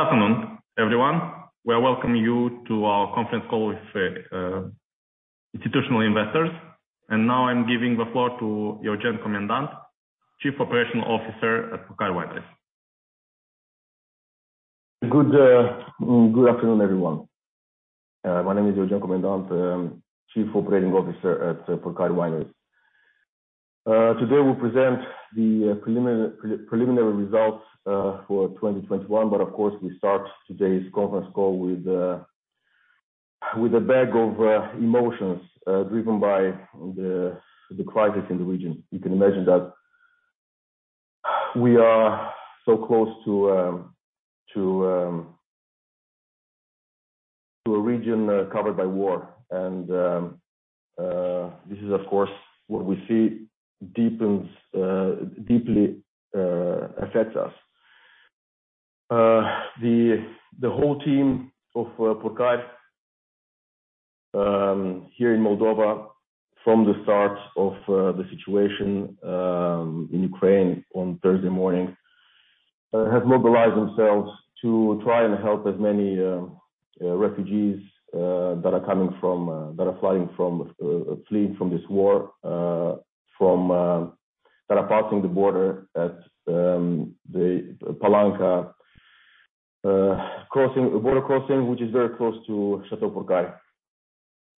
Good afternoon, everyone. We are welcoming you to our conference call with institutional investors. Now I'm giving the floor to Eugen Comendant, Chief Operational Officer at Purcari Wineries. Good afternoon, everyone. My name is Eugen Comendant. I am Chief Operating Officer at Purcari Wineries. Today we'll present the preliminary results for 2021, but of course we start today's conference call with a bag of emotions driven by the crisis in the region. You can imagine that we are so close to a region covered by war and this is of course what we see deepens, deeply affects us. The whole team of Purcari here in Moldova from the start of the situation in Ukraine on Thursday morning have mobilized themselves to try and help as many refugees that are fleeing from this war that are passing the border at the Palanca border crossing, which is very close to Château Purcari.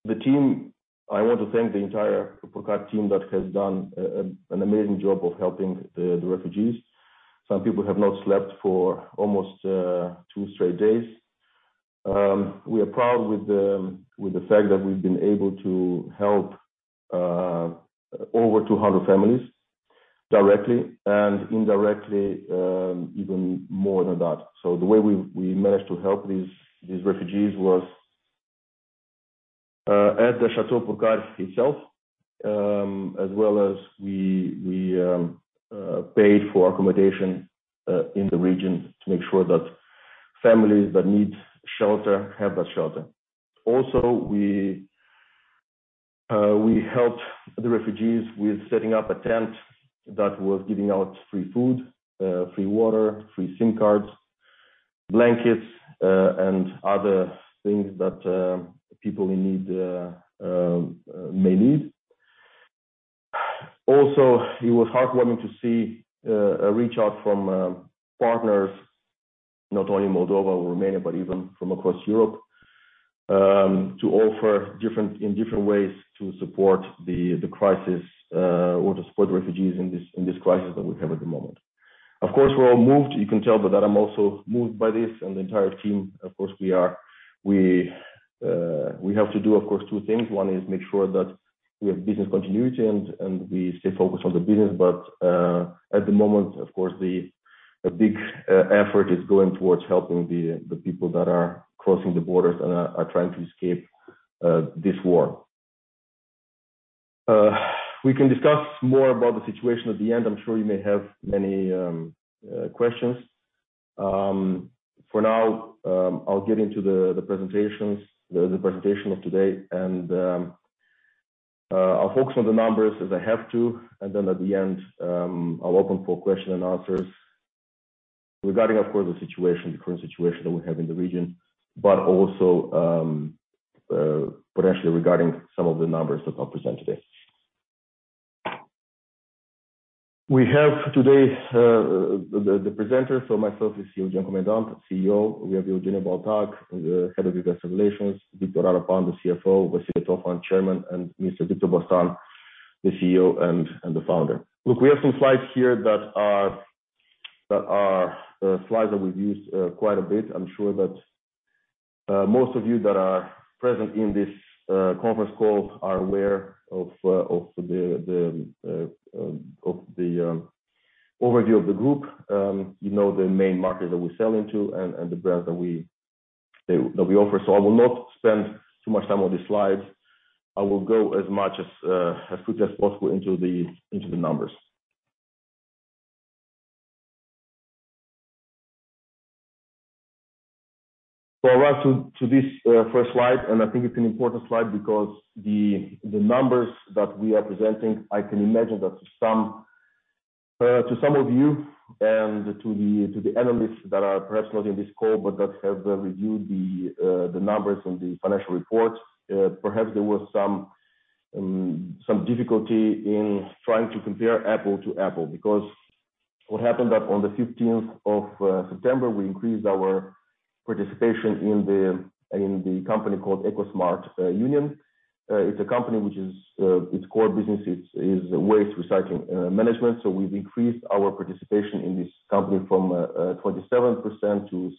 The team. I want to thank the entire Purcari team that has done an amazing job of helping the refugees. Some people have not slept for almost two straight days. We are proud with the fact that we've been able to help over 200 families directly and indirectly, even more than that. The way we managed to help these refugees was at the Château Purcari itself, as well as we paid for accommodation in the region to make sure that families that need shelter have that shelter. We helped the refugees with setting up a tent that was giving out free food, free water, free SIM cards, blankets, and other things that people in need may need. It was heartwarming to see a reach out from partners not only in Moldova or Romania, but even from across Europe to offer in different ways to support the crisis or to support refugees in this crisis that we have at the moment. Of course, we're all moved. You can tell that I'm also moved by this and the entire team, of course we are. We have to do of course two things. One is make sure that we have business continuity and we stay focused on the business. At the moment, of course, a big effort is going towards helping the people that are crossing the borders and are trying to escape this war. We can discuss more about the situation at the end. I'm sure you may have many questions. For now, I'll get into the presentation of today and I'll focus on the numbers as I have to, and then at the end, I'll open for questions and answers regarding of course the situation, the current situation that we have in the region, but also potentially regarding some of the numbers that I'll present today. We have today's presenters. Myself is Eugen Comendant, COO. We have Eugeniu Baltag, the Head of Investor Relations, Victor Arapan, the CFO, Vasile Tofan, Chairman, and Mr. Victor Bostan, the CEO and the founder. Look, we have some slides here that are slides that we've used quite a bit. I'm sure that most of you that are present in this conference call are aware of the overview of the group. You know the main market that we sell into and the brands that we offer. I will not spend too much time on these slides. I will go as quickly as possible into the numbers. I arrive to this first slide, and I think it's an important slide because the numbers that we are presenting. I can imagine that to some of you and to the analysts that are perhaps not in this call, but that have reviewed the numbers and the financial reports, perhaps there was some difficulty in trying to compare apples to apples. Because what happened is that on the fifteenth of September, we increased our participation in the company called Ecosmart Union. It's a company whose core business is waste recycling management. We've increased our participation in this company from 27% to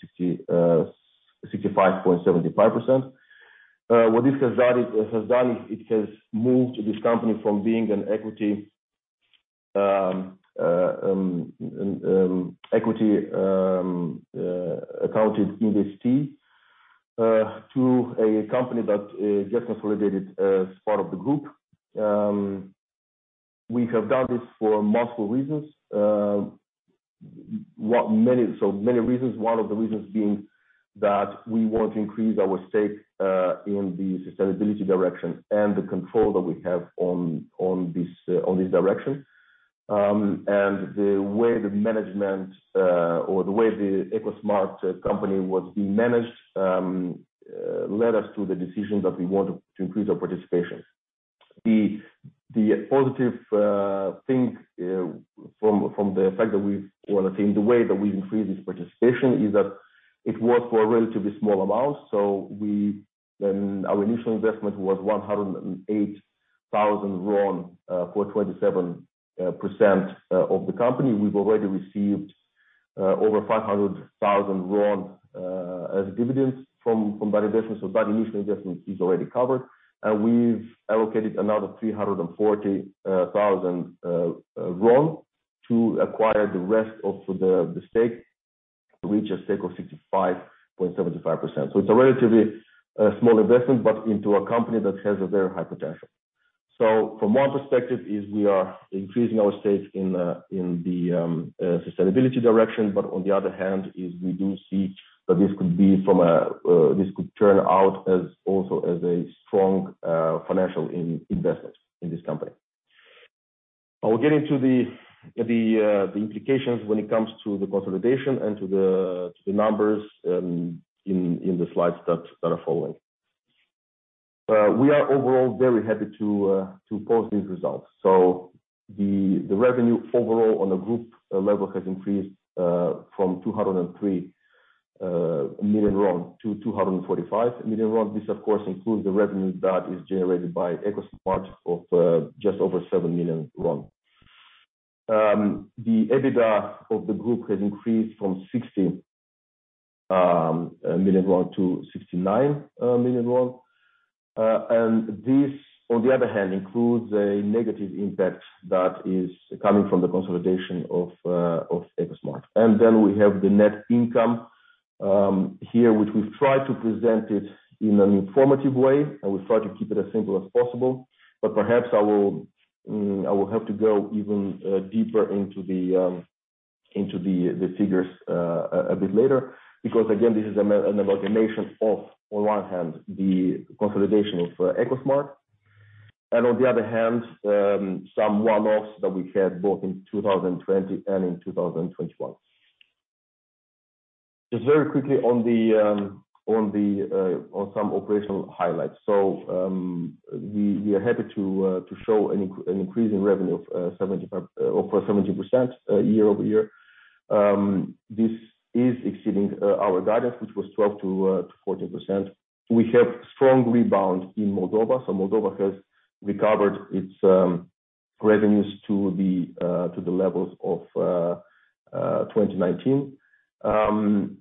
65.75%. What this has done has moved this company from being an equity accounted investee to a company that gets consolidated as part of the group. We have done this for multiple reasons. Many reasons, one of the reasons being that we want to increase our stake in the sustainability direction and the control that we have on this direction. The way the management or the way the Ecosmart company was being managed led us to the decision that we want to increase our participation. The positive thing from the way that we increase this participation is that it was for a relatively small amount. Our initial investment was RON 108,000 for 27% of the company. We've already received over RON 500,000 as dividends from [Babydream. Babydream] initial investment is already covered. We've allocated another RON 340,000 to acquire the rest of the stake to reach a stake of 65.75%. It's a relatively small investment, but into a company that has a very high potential. From our perspective is we are increasing our stakes in the sustainability direction, but on the other hand, is we do see that this could turn out as also as a strong financial investment in this company. I will get into the implications when it comes to the consolidation and to the numbers in the slides that are following. We are overall very happy to post these results. The revenue overall on a group level has increased from RON 203 million to RON 245 million. This, of course, includes the revenue that is generated by Ecosmart of just over RON 7 million. The EBITDA of the group has increased from RON 60 million- RON 69 million. This, on the other hand, includes a negative impact that is coming from the consolidation of Ecosmart. We have the net income here, which we've tried to present it in an informative way, and we've tried to keep it as simple as possible. Perhaps I will have to go even deeper into the figures a bit later, because again, this is an amalgamation of, on one hand, the consolidation of Ecosmart, and on the other hand, some one-offs that we had both in 2020 and in 2021. Very quickly on some operational highlights. We are happy to show an increase in revenue of over 70% year-over-year. This is exceeding our guidance, which was 12%-14%. We have strong rebound in Moldova. Moldova has recovered its revenues to the levels of 2019.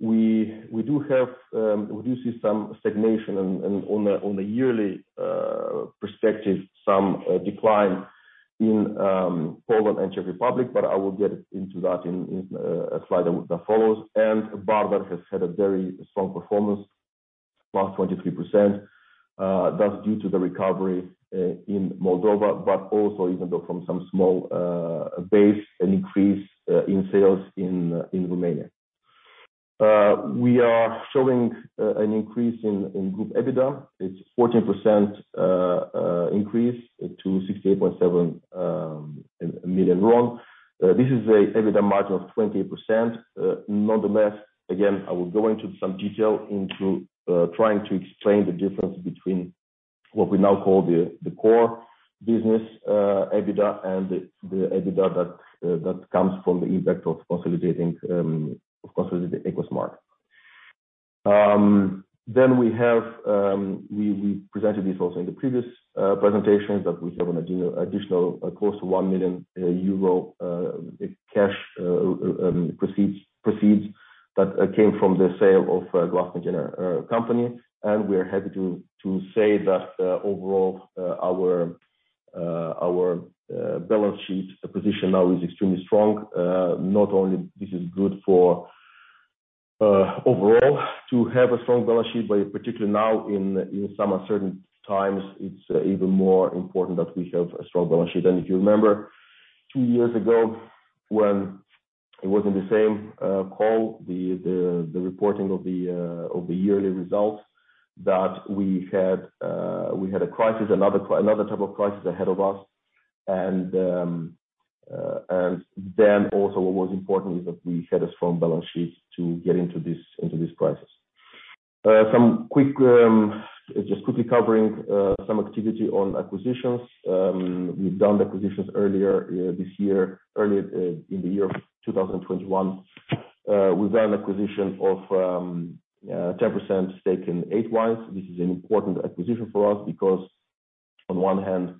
We do see some stagnation and on a yearly perspective, some decline in Poland and Czech Republic, but I will get into that in a slide that follows. Bardar has had a very strong performance, +23%. That's due to the recovery in Moldova, but also even though from some small base, an increase in sales in Romania. We are showing an increase in group EBITDA. It's a 14% increase to RON 68.7 million. This is an EBITDA margin of 20%. Nonetheless, again, I will go into some detail into trying to explain the difference between what we now call the core business EBITDA and the EBITDA that comes from the impact of consolidating Ecosmart. We presented this also in the previous presentations, that we have an additional close to EUR 1 million cash proceeds that came from the sale of Glass Coatings & Concepts company. We are happy to say that overall our balance sheet position now is extremely strong. Not only this is good for overall to have a strong balance sheet, but particularly now in some uncertain times, it's even more important that we have a strong balance sheet. If you remember two years ago when it was in the same call, the reporting of the yearly results that we had, we had a crisis, another type of crisis ahead of us. Then also what was important is that we had a strong balance sheet to get into this crisis. Some quick, just quickly covering some activity on acquisitions. We've done acquisitions earlier this year, earlier in the year 2021. We've done acquisition of 10% stake in 8wines.com. This is an important acquisition for us because on one hand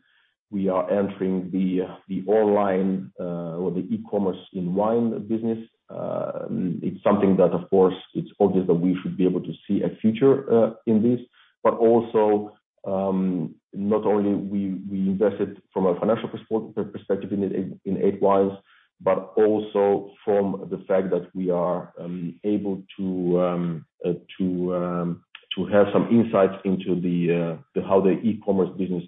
we are entering the online or the e-commerce in wine business. It's something that of course, it's obvious that we should be able to see a future in this. Also, not only we invested from a financial perspective in 8Wines, but also from the fact that we are able to have some insights into how the e-commerce business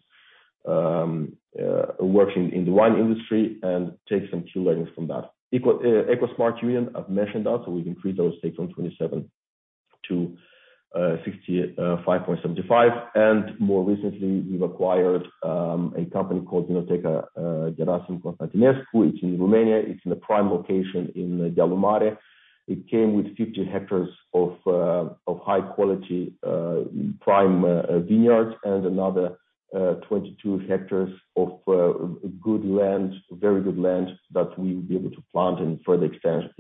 working in the wine industry and take some key learnings from that. Ecosmart Union, I've mentioned that, so we've increased our stakes from 27% to 65.75%. More recently, we've acquired a company called Vinoteca Gherasim Constantinescu. It's in Romania, it's in a prime location in Dealu Mare. It came with 50 ha of high quality prime vineyards and another 22 ha of good land, very good land that we will be able to plant and further extend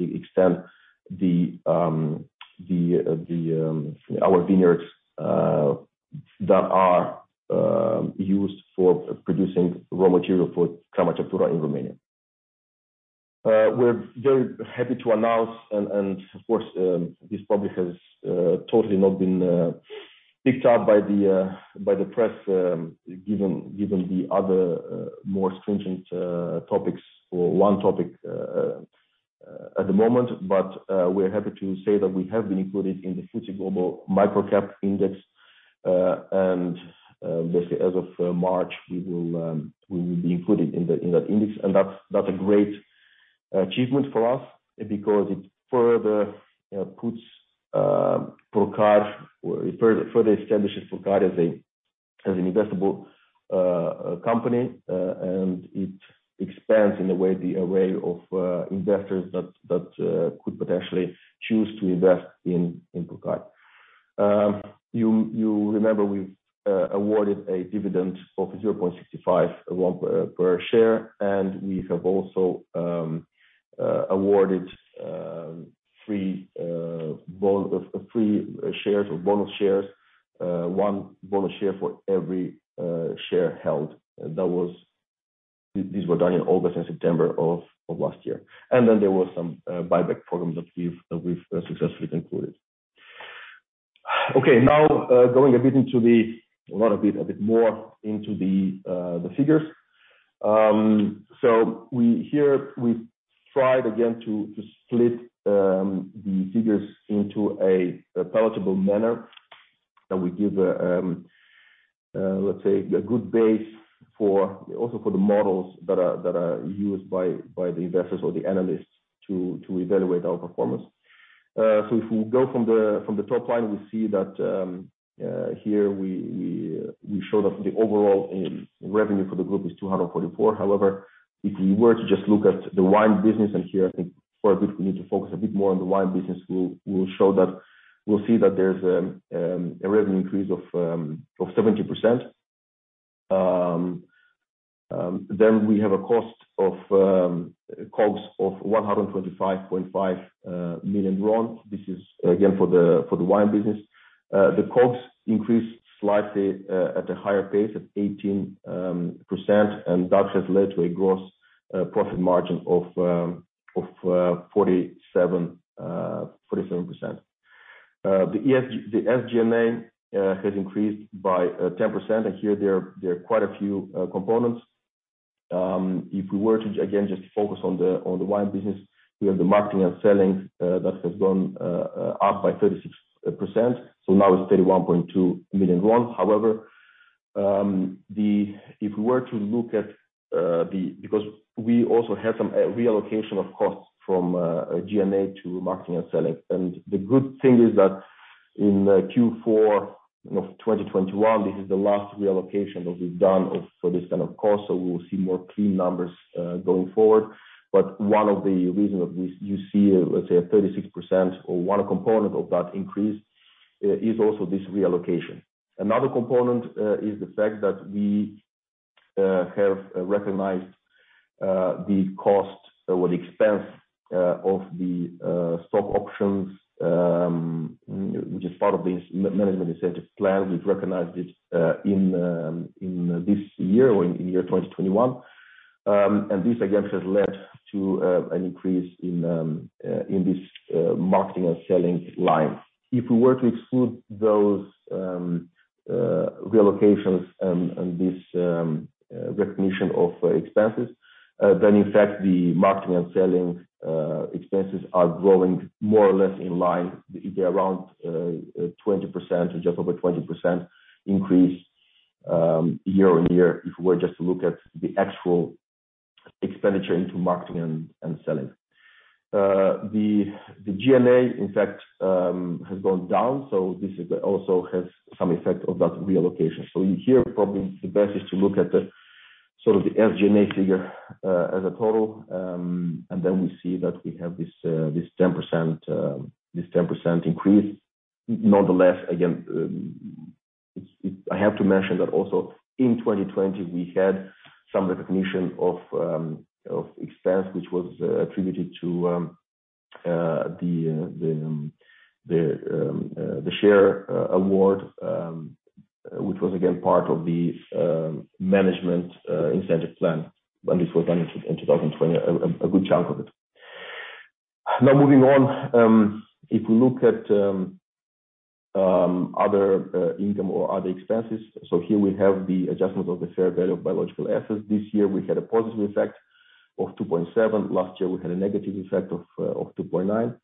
our vineyards that are used for producing raw material for Crama Ceptura in Romania. We're very happy to announce. Of course, this probably has totally not been picked up by the press, given the other more stringent topics or one topic at the moment. We're happy to say that we have been included in the FTSE Global Micro-Cap Index. Basically, as of March, we will be included in that index. That's a great achievement for us because it further establishes Purcari as an investable company. It expands, in a way, the array of investors that could potentially choose to invest in Purcari. You remember we awarded a dividend of RON 0.65 per share, and we have also awarded free shares or bonus shares, one bonus share for every share held. These were done in August and September of last year. Then there were some buyback programs that we've successfully concluded. Okay, now going a bit more into the figures. We've tried again to split the figures into a palatable manner that will give, let's say, a good base for also for the models that are used by the investors or the analysts to evaluate our performance. If we go from the top line, we see that here we showed that the overall revenue for the group is RON 244 million. However, if we were to just look at the wine business, and here I think for a bit, we need to focus a bit more on the wine business, we'll show that we'll see that there's a revenue increase of 70%. Then we have a cost of COGS of RON 125.5 million. This is again for the wine business. The COGS increased slightly at a higher pace of 18%, and that has led to a gross profit margin of 47%. The SG&A has increased by 10%, and here there are quite a few components. If we were to again just focus on the wine business, we have the marketing and selling that has gone up by 36%, so now it's RON 31.2 million. However, if we were to look at the because we also had some reallocation of costs from G&A to marketing and selling. The good thing is that in Q4 of 2021, this is the last reallocation that we've done for this kind of cost, so we will see more clean numbers going forward. One of the reason of this, you see, let's say 36% or one component of that increase is also this reallocation. Another component is the fact that we have recognized the cost or the expense of the stock options, which is part of this management incentive plan. We've recognized it in this year or in year 2021. This again has led to an increase in this marketing and selling line. If we were to exclude those reallocations and this recognition of expenses, then in fact the marketing and selling expenses are growing more or less in line. They're around 20% or just over 20% increase year on year, if we were just to look at the actual expenditure into marketing and selling. The G&A in fact has gone down, so this also has some effect of that reallocation. Here probably the best is to look at the sort of the SG&A figure as a total. And then we see that we have this 10% increase. Nonetheless, again, it's I have to mention that also in 2020 we had some recognition of expense which was attributed to the share award which was again part of the management incentive plan, and this was done in 2020, a good chunk of it. Now moving on, if we look at other income or other expenses. So here we have the adjustment of the fair value of biological assets. This year we had a positive effect of RON 2.7, last year we had a negative effect of RON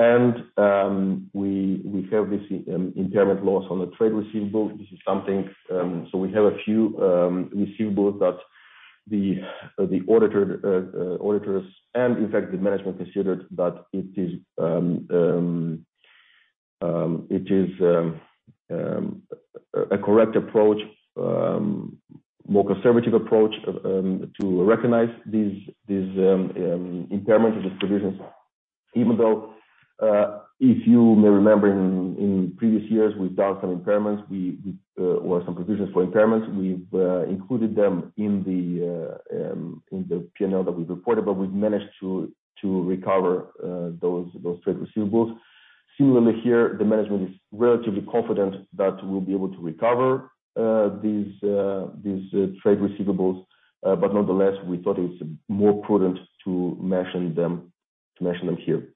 2.9. We have this impairment loss on the trade receivables. This is something. We have a few receivables that the auditors and in fact the management considered that it is a correct approach, more conservative approach, to recognize these impairment provisions. Even though, if you may remember in previous years we've done some impairments or some provisions for impairments. We've included them in the P&L that we've reported, but we've managed to recover those trade receivables. Similarly here, the management is relatively confident that we'll be able to recover these trade receivables. Nonetheless, we thought it's more prudent to mention them here.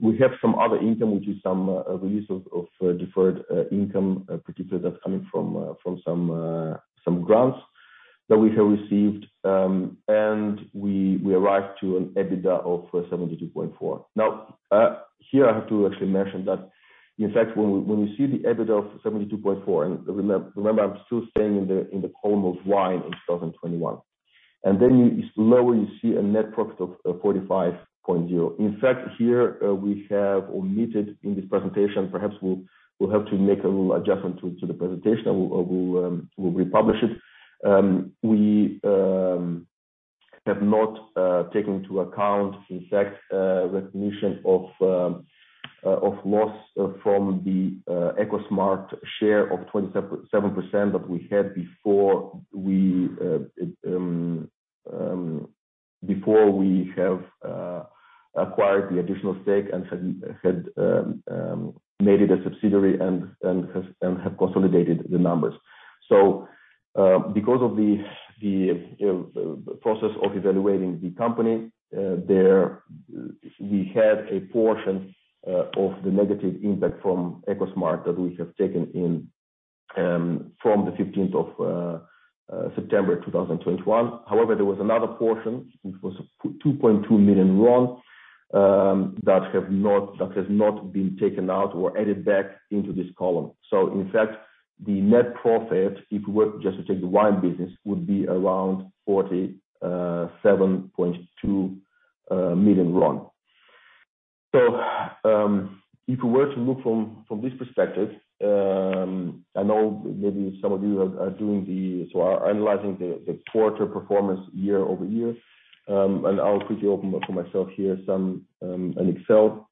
We have some other income, which is some release of deferred income, particularly that's coming from some grants that we have received. We arrived to an EBITDA of RON 72.4. Now, here, I have to actually mention that in fact, when you see the EBITDA of RON 72.4, and remember, I'm still staying in the column of wine in 2021. Then, lower, you see a net profit of RON 45.0. In fact, here, we have omitted in this presentation. Perhaps we'll have to make a little adjustment to the presentation or we'll republish it. We have not taken into account, in fact, recognition of loss from the Ecosmart share of 27% that we had before we have acquired the additional stake and made it a subsidiary and have consolidated the numbers. Because of the process of evaluating the company, there we had a portion of the negative impact from Ecosmart that we have taken in from the 15th of September 2021. However, there was another portion, which was RON 2.2 million that has not been taken out or added back into this column. In fact, the net profit, if we were just to take the wine business, would be around RON 47.2 million. If we were to look from this perspective, I know maybe some of you are analyzing the quarter performance year-over-year. And I'll quickly open up for myself here an Excel.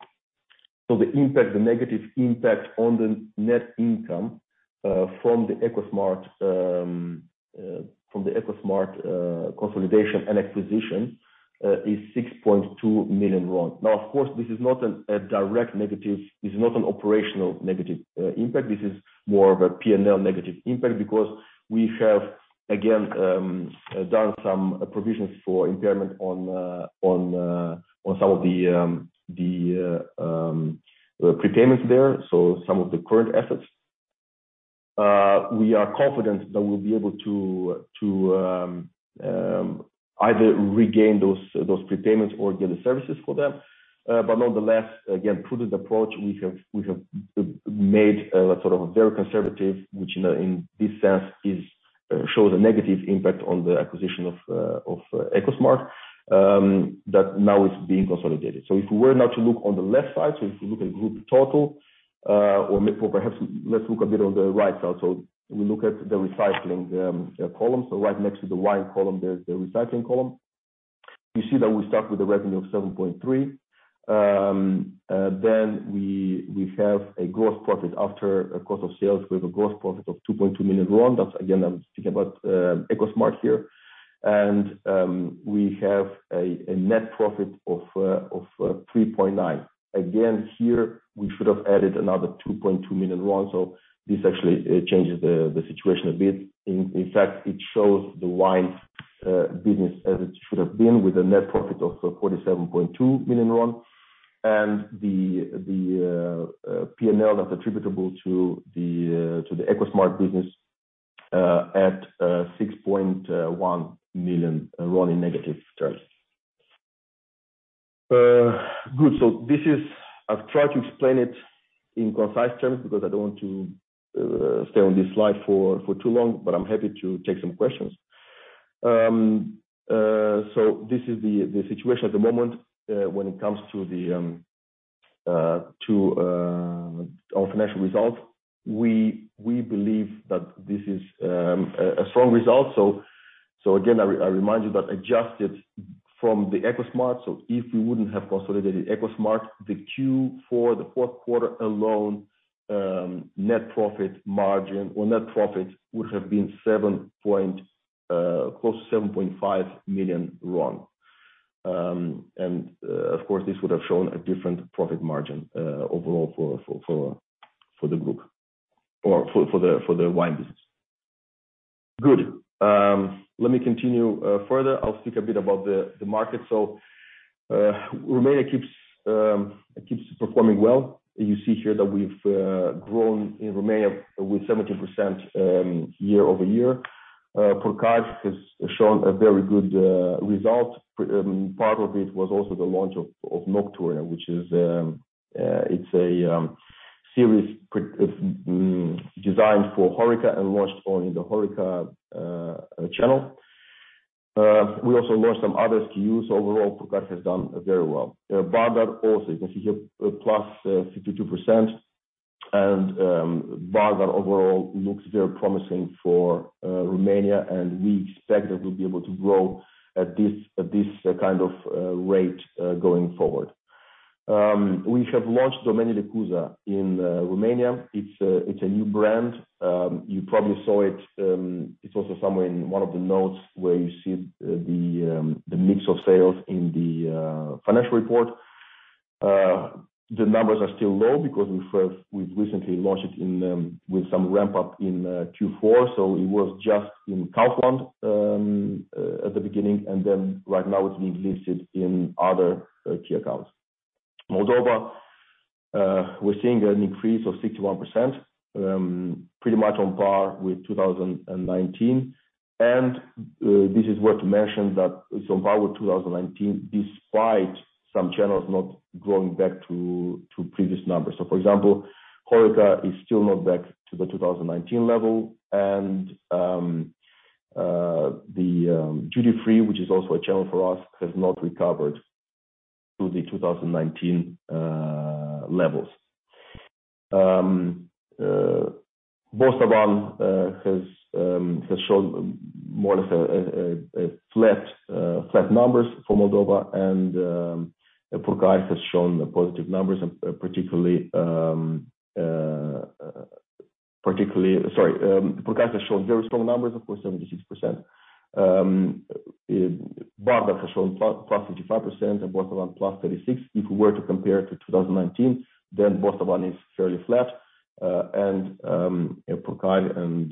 The impact, the negative impact on the net income from the Ecosmart consolidation and acquisition is RON 6.2 million. Now, of course, this is not a direct negative. This is not an operational negative impact. This is more of a P&L negative impact because we have, again, done some provisions for impairment on some of the prepayments there, some of the current assets. We are confident that we'll be able to either regain those prepayments or give the services for them. But nonetheless, again, prudent approach we have made, sort of a very conservative, which in this sense shows a negative impact on the acquisition of Ecosmart that now is being consolidated. If we were now to look on the left side, if you look at group total, or perhaps let's look a bit on the right side. We look at the recycling column. Right next to the wine column, there's the recycling column. You see that we start with a revenue of RON 7.3 million. Then we have a gross profit. After cost of sales, we have a gross profit of RON 2.2 million. That's again, I'm speaking about Ecosmart here. We have a net profit of RON 3.9 million. Again, here, we should have added another RON 2.2 million. This actually changes the situation a bit. In fact, it shows the wine business as it should have been with a net profit of RON 47.2 million. The P&L that's attributable to the Ecosmart business at RON 6.1 million in negative terms. I've tried to explain it in concise terms because I don't want to stay on this slide for too long, but I'm happy to take some questions. This is the situation at the moment when it comes to our financial results. We believe that this is a strong result. Again, I remind you that adjusted from the Ecosmart. If we wouldn't have consolidated Ecosmart, Q4, the fourth quarter alone, net profit margin or net profit would have been close to RON 7.5 million. Of course, this would have shown a different profit margin overall for the group or for the wine business. Good. Let me continue further. I'll speak a bit about the market. Romania keeps performing well. You see here that we've grown in Romania with 70% year-over-year. Purcari has shown a very good result. Part of it was also the launch of Nocturne which is, it's a series designed for HoReCa and launched only in the HoReCa channel. We also launched some other SKUs. Overall, Purcari has done very well. Bardar also, you can see here, plus 52% and, Bardar overall looks very promising for Romania and we expect that we'll be able to grow at this kind of rate going forward. We have launched Domeniile Cuza in Romania. It's a new brand. You probably saw it. It's also somewhere in one of the notes where you see the mix of sales in the financial report. The numbers are still low because we recently launched it with some ramp up in Q4, so it was just in [Carrefour] at the beginning, and then right now it's being listed in other key accounts. Moldova, we're seeing an increase of 61%, pretty much on par with 2019. This is worth to mention that it's on par with 2019 despite some channels not going back to previous numbers. For example, HoReCa is still not back to the 2019 level and duty free, which is also a channel for us, has not recovered to the 2019 levels. Bostavan has shown more or less flat numbers for Moldova and Purcari has shown positive numbers, particularly. Purcari has shown very strong numbers of course 76%. Bardar has shown +55% and Bostavan +36%. If we were to compare to 2019, then Bostavan is fairly flat and Purcari and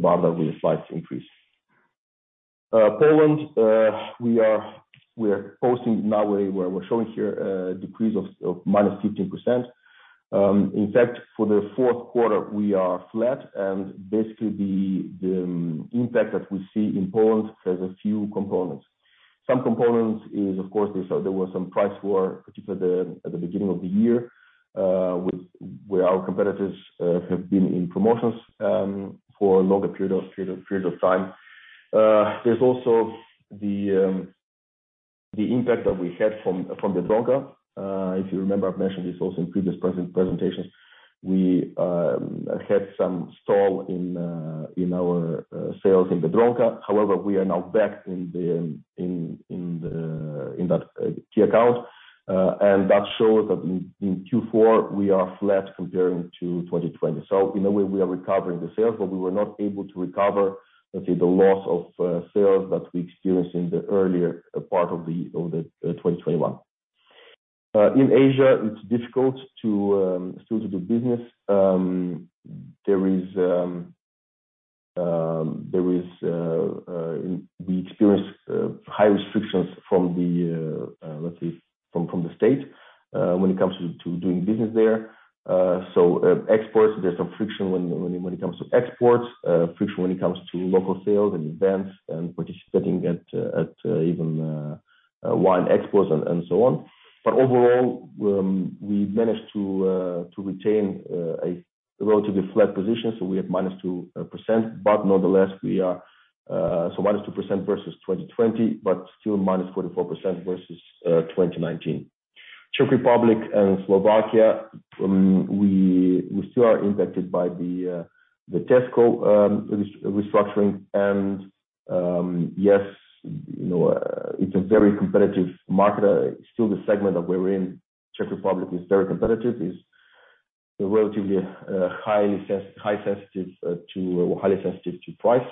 Bardar with a slight increase. Poland, we are posting now where we're showing here a decrease of -15%. In fact, for the fourth quarter we are flat and basically the impact that we see in Poland has a few components. Some components is of course there was some price war, particularly at the beginning of the year, with where our competitors have been in promotions for longer period of time. There's also the impact that we had from the Biedronka. If you remember, I've mentioned this also in previous presentations. We had some stall in our sales in the Biedronka. However, we are now back in that key account. That shows that in Q4 we are flat comparing to 2020. In a way we are recovering the sales, but we were not able to recover, let's say, the loss of sales that we experienced in the earlier part of the 2021. In Asia it's difficult to still do business. We experience high restrictions from the state when it comes to doing business there. Exports, there's some friction when it comes to exports. Friction when it comes to local sales and events and participating at even wine expos and so on. Overall, we managed to retain a relatively flat position, so we have -2%, but nonetheless we are -2% versus 2020, but still -44% versus 2019. Czech Republic and Slovakia, we still are impacted by the Tesco restructuring and, yes, you know, it's a very competitive market. Still the segment that we're in, Czech Republic is very competitive, is relatively highly sensitive to price.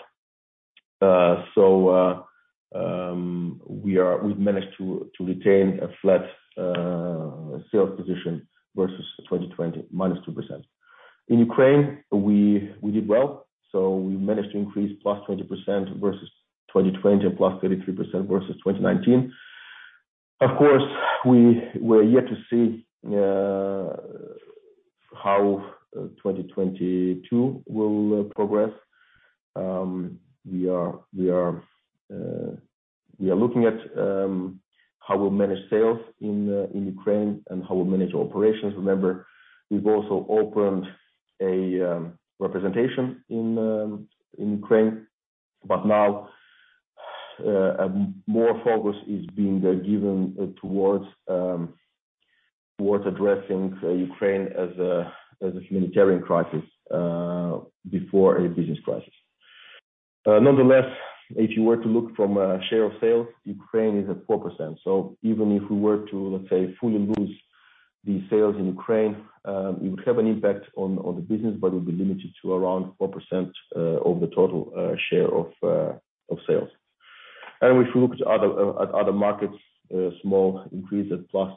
We've managed to retain a flat sales position versus 2020, -2%. In Ukraine, we did well, so we managed to increase +20% versus 2020 and +33% versus 2019. Of course, we're yet to see how 2022 will progress. We are looking at how we'll manage sales in Ukraine and how we'll manage operations. Remember, we've also opened a representation in Ukraine. Now, more focus is being given towards addressing Ukraine as a humanitarian crisis before a business crisis. Nonetheless, if you were to look from a share of sales, Ukraine is at 4%. Even if we were to, let's say, fully lose the sales in Ukraine, it would have an impact on the business, but it would be limited to around 4% of the total share of sales. If we look at other markets, a small increase at +2%.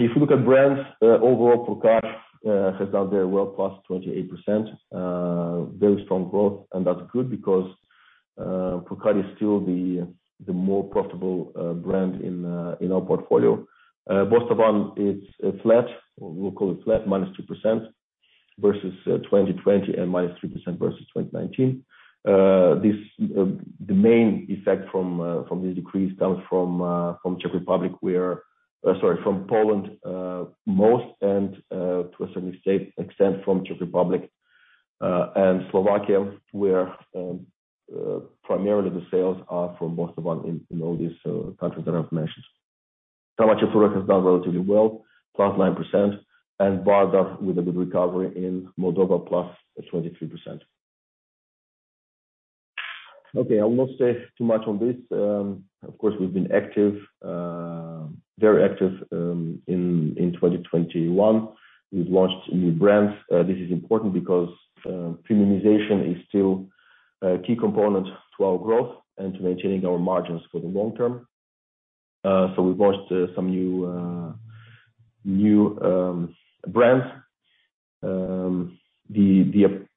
If you look at brands, overall Purcari has done very well, +28%, very strong growth. That's good because Purcari is still the more profitable brand in our portfolio. Bostavan, it's flat. We'll call it flat, -2% versus 2020 and -3% versus 2019. The main effect from the decrease comes from Poland, most and, to a certain extent from Czech Republic and Slovakia, where primarily the sales are for most of them in all these countries that I've mentioned. Crama Ceptura has done relatively well, plus 9%, and Bardar with a good recovery in Moldova, +23%. Okay, I will not say too much on this. Of course we've been active, very active, in 2021. We've launched new brands. This is important because premiumization is still a key component to our growth and to maintaining our margins for the long term. We've launched some new brands.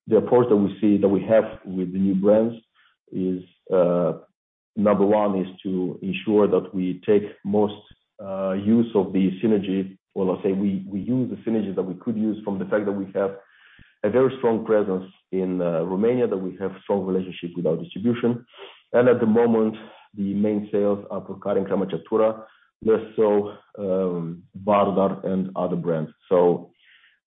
The approach that we see that we have with the new brands is number one is to ensure that we take most use of the synergy. Well, let's say we use the synergies that we could use from the fact that we have a very strong presence in Romania, that we have strong relationships with our distribution. At the moment, the main sales are Purcari and Crama Ceptura, less so Bardar and other brands.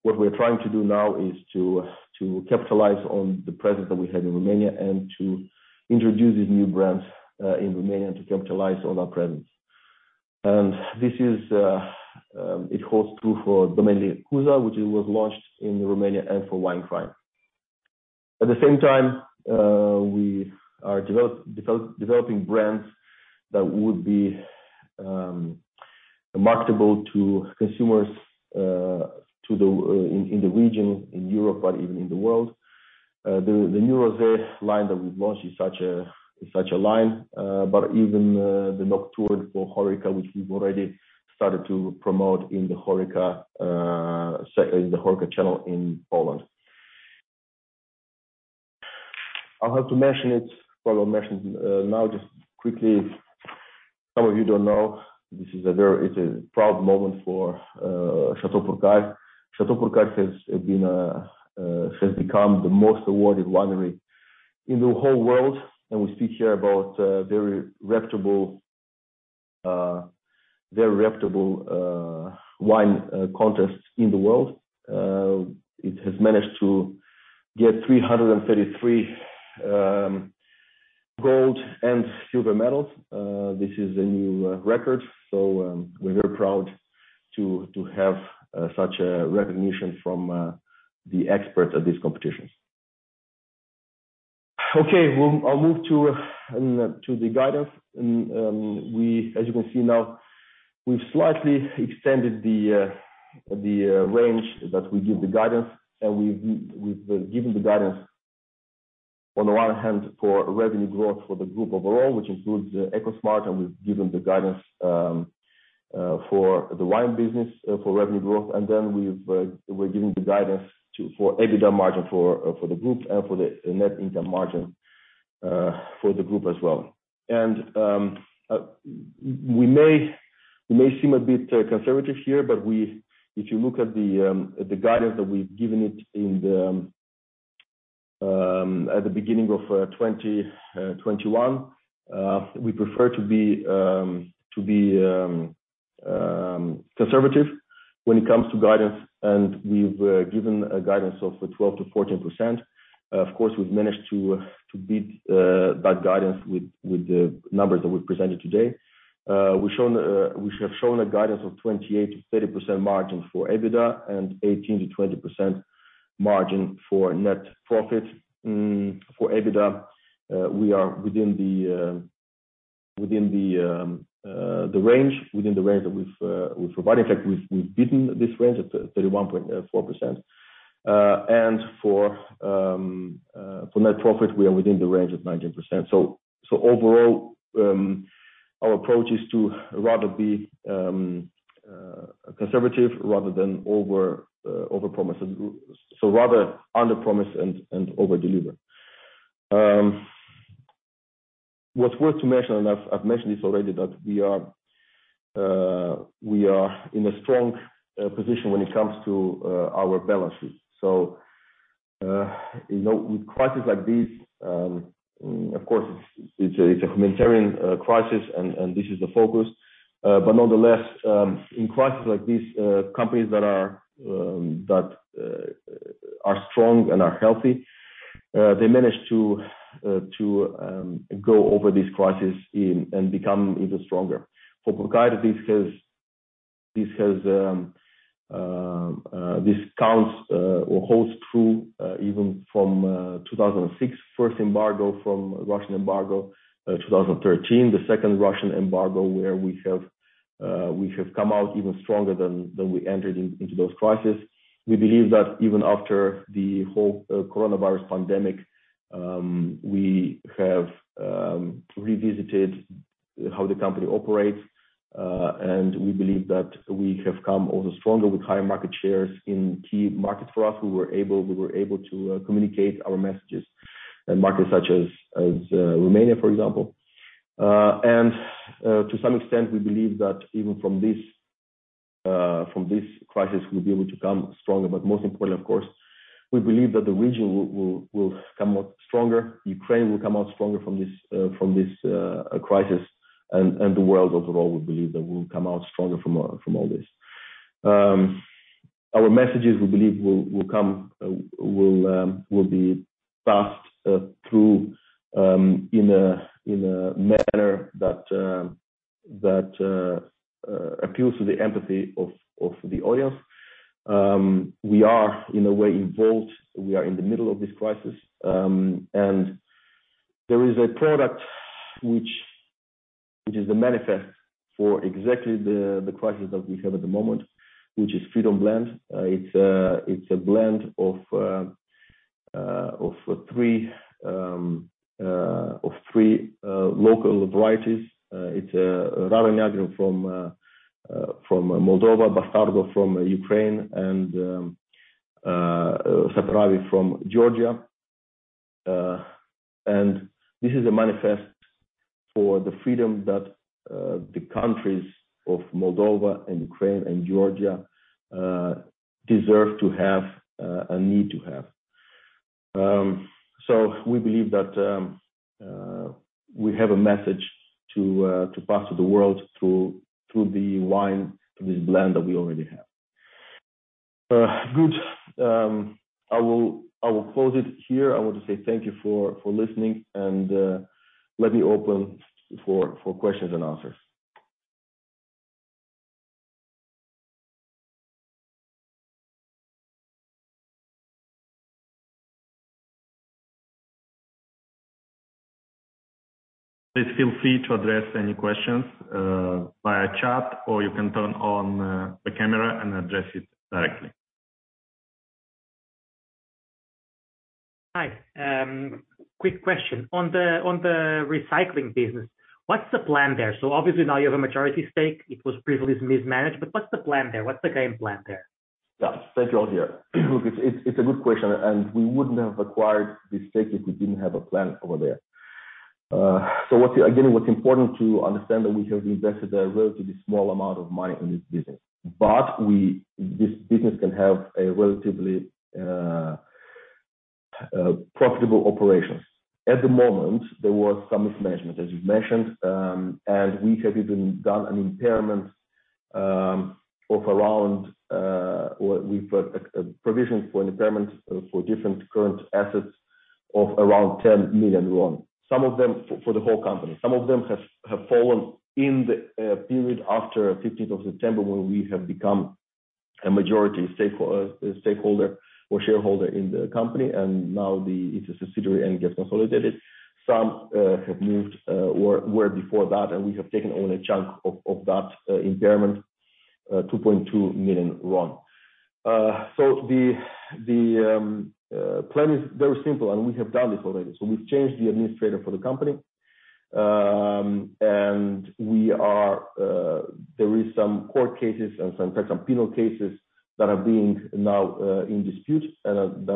What we're trying to do now is to capitalize on the presence that we have in Romania and to introduce these new brands in Romania to capitalize on our presence. This it holds true for Domeniile Cuza, which it was launched in Romania and for Winefind. At the same time, we are developing brands that would be marketable to consumers in the region, in Europe, but even in the world. The new rose line that we've launched is such a line. But even the Nocturne for HoReCa, which we've already started to promote in the HoReCa channel in Poland. I'll have to mention it, probably mention, now just quickly. Some of you don't know. This is a very proud moment for Château Purcari. Château Purcari has become the most awarded winery in the whole world. We speak here about very reputable wine contests in the world. It has managed to get 333 gold and silver medals. This is a new record. We're very proud to have such a recognition from the experts at these competitions. Okay. I'll move to the guidance. As you can see now, we've slightly extended the range that we give the guidance. We've given the guidance on the one hand for revenue growth for the group overall, which includes Ecosmart, and we've given the guidance for the wine business for revenue growth. Then we're giving the guidance for EBITDA margin for the group and for the net income margin for the group as well. We may seem a bit conservative here, but if you look at the guidance that we've given in the beginning of 2021, we prefer to be conservative when it comes to guidance. We've given a guidance of 12%-14%. Of course, we've managed to beat that guidance with the numbers that we presented today. We have shown a guidance of 28%-30% margin for EBITDA and 18%-20% margin for net profit. For EBITDA, we are within the range that we've provided. In fact, we've beaten this range at 31.4%. And for net profit, we are within the range of 19%. Overall, our approach is to rather be conservative rather than overpromise, rather underpromise and overdeliver. What's worth to mention, and I've mentioned this already, that we are in a strong position when it comes to our balances. You know, with crises like this, of course, it's a humanitarian crisis and this is the focus. But nonetheless, in crises like this, companies that are strong and are healthy, they manage to go over this crisis and become even stronger. For Purcari, this has counted or holds true, even from 2006, first embargo from Russian embargo, 2013, the second Russian embargo, where we have come out even stronger than we entered into those crises. We believe that even after the whole coronavirus pandemic, we have revisited how the company operates, and we believe that we have come out stronger with higher market shares in key markets for us. We were able to communicate our messages in markets such as Romania, for example. To some extent, we believe that even from this crisis, we'll be able to come stronger. Most important, of course, we believe that the region will come out stronger, Ukraine will come out stronger from this crisis, and the world overall, we believe that we'll come out stronger from all this. Our messages, we believe, will come through in a manner that appeals to the empathy of the audience. We are in a way involved, we are in the middle of this crisis. There is a product which is the manifesto for exactly the crisis that we have at the moment, which is Freedom Blend. It's a blend of three local varieties. It's Rară Neagră from Moldova, Bastardo from Ukraine, and Saperavi from Georgia. This is a manifesto for the freedom that the countries of Moldova and Ukraine and Georgia deserve to have and need to have. We believe that we have a message to pass to the world through the wine, through this blend that we already have. Good. I will close it here. I want to say thank you for listening and let me open for questions and answers. Please feel free to address any questions via chat, or you can turn on the camera and address it directly. Hi. Quick question. On the recycling business, what's the plan there? Obviously now you have a majority stake. It was previously mismanaged, but what's the plan there? What's the game plan there? Yeah. Thank you, Roger. It's a good question, and we wouldn't have acquired this stake if we didn't have a plan over there. Again, what's important to understand that we have invested a relatively small amount of money in this business. This business can have a relatively profitable operations. At the moment, there was some mismanagement, as you've mentioned, and we have even done an impairment, or we've got provisions for an impairment for different current assets of around RON 10 million. Some of them for the whole company. Some of them have fallen in the period after fifteenth of September, when we have become a majority stakeholder or shareholder in the company, and now it's a subsidiary and get consolidated. Some have moved or were before that, and we have taken only a chunk of that impairment, RON 2.2 million. The plan is very simple, and we have done this already. We've changed the administrator for the company. There is some court cases and some types of penal cases that are now being in dispute and that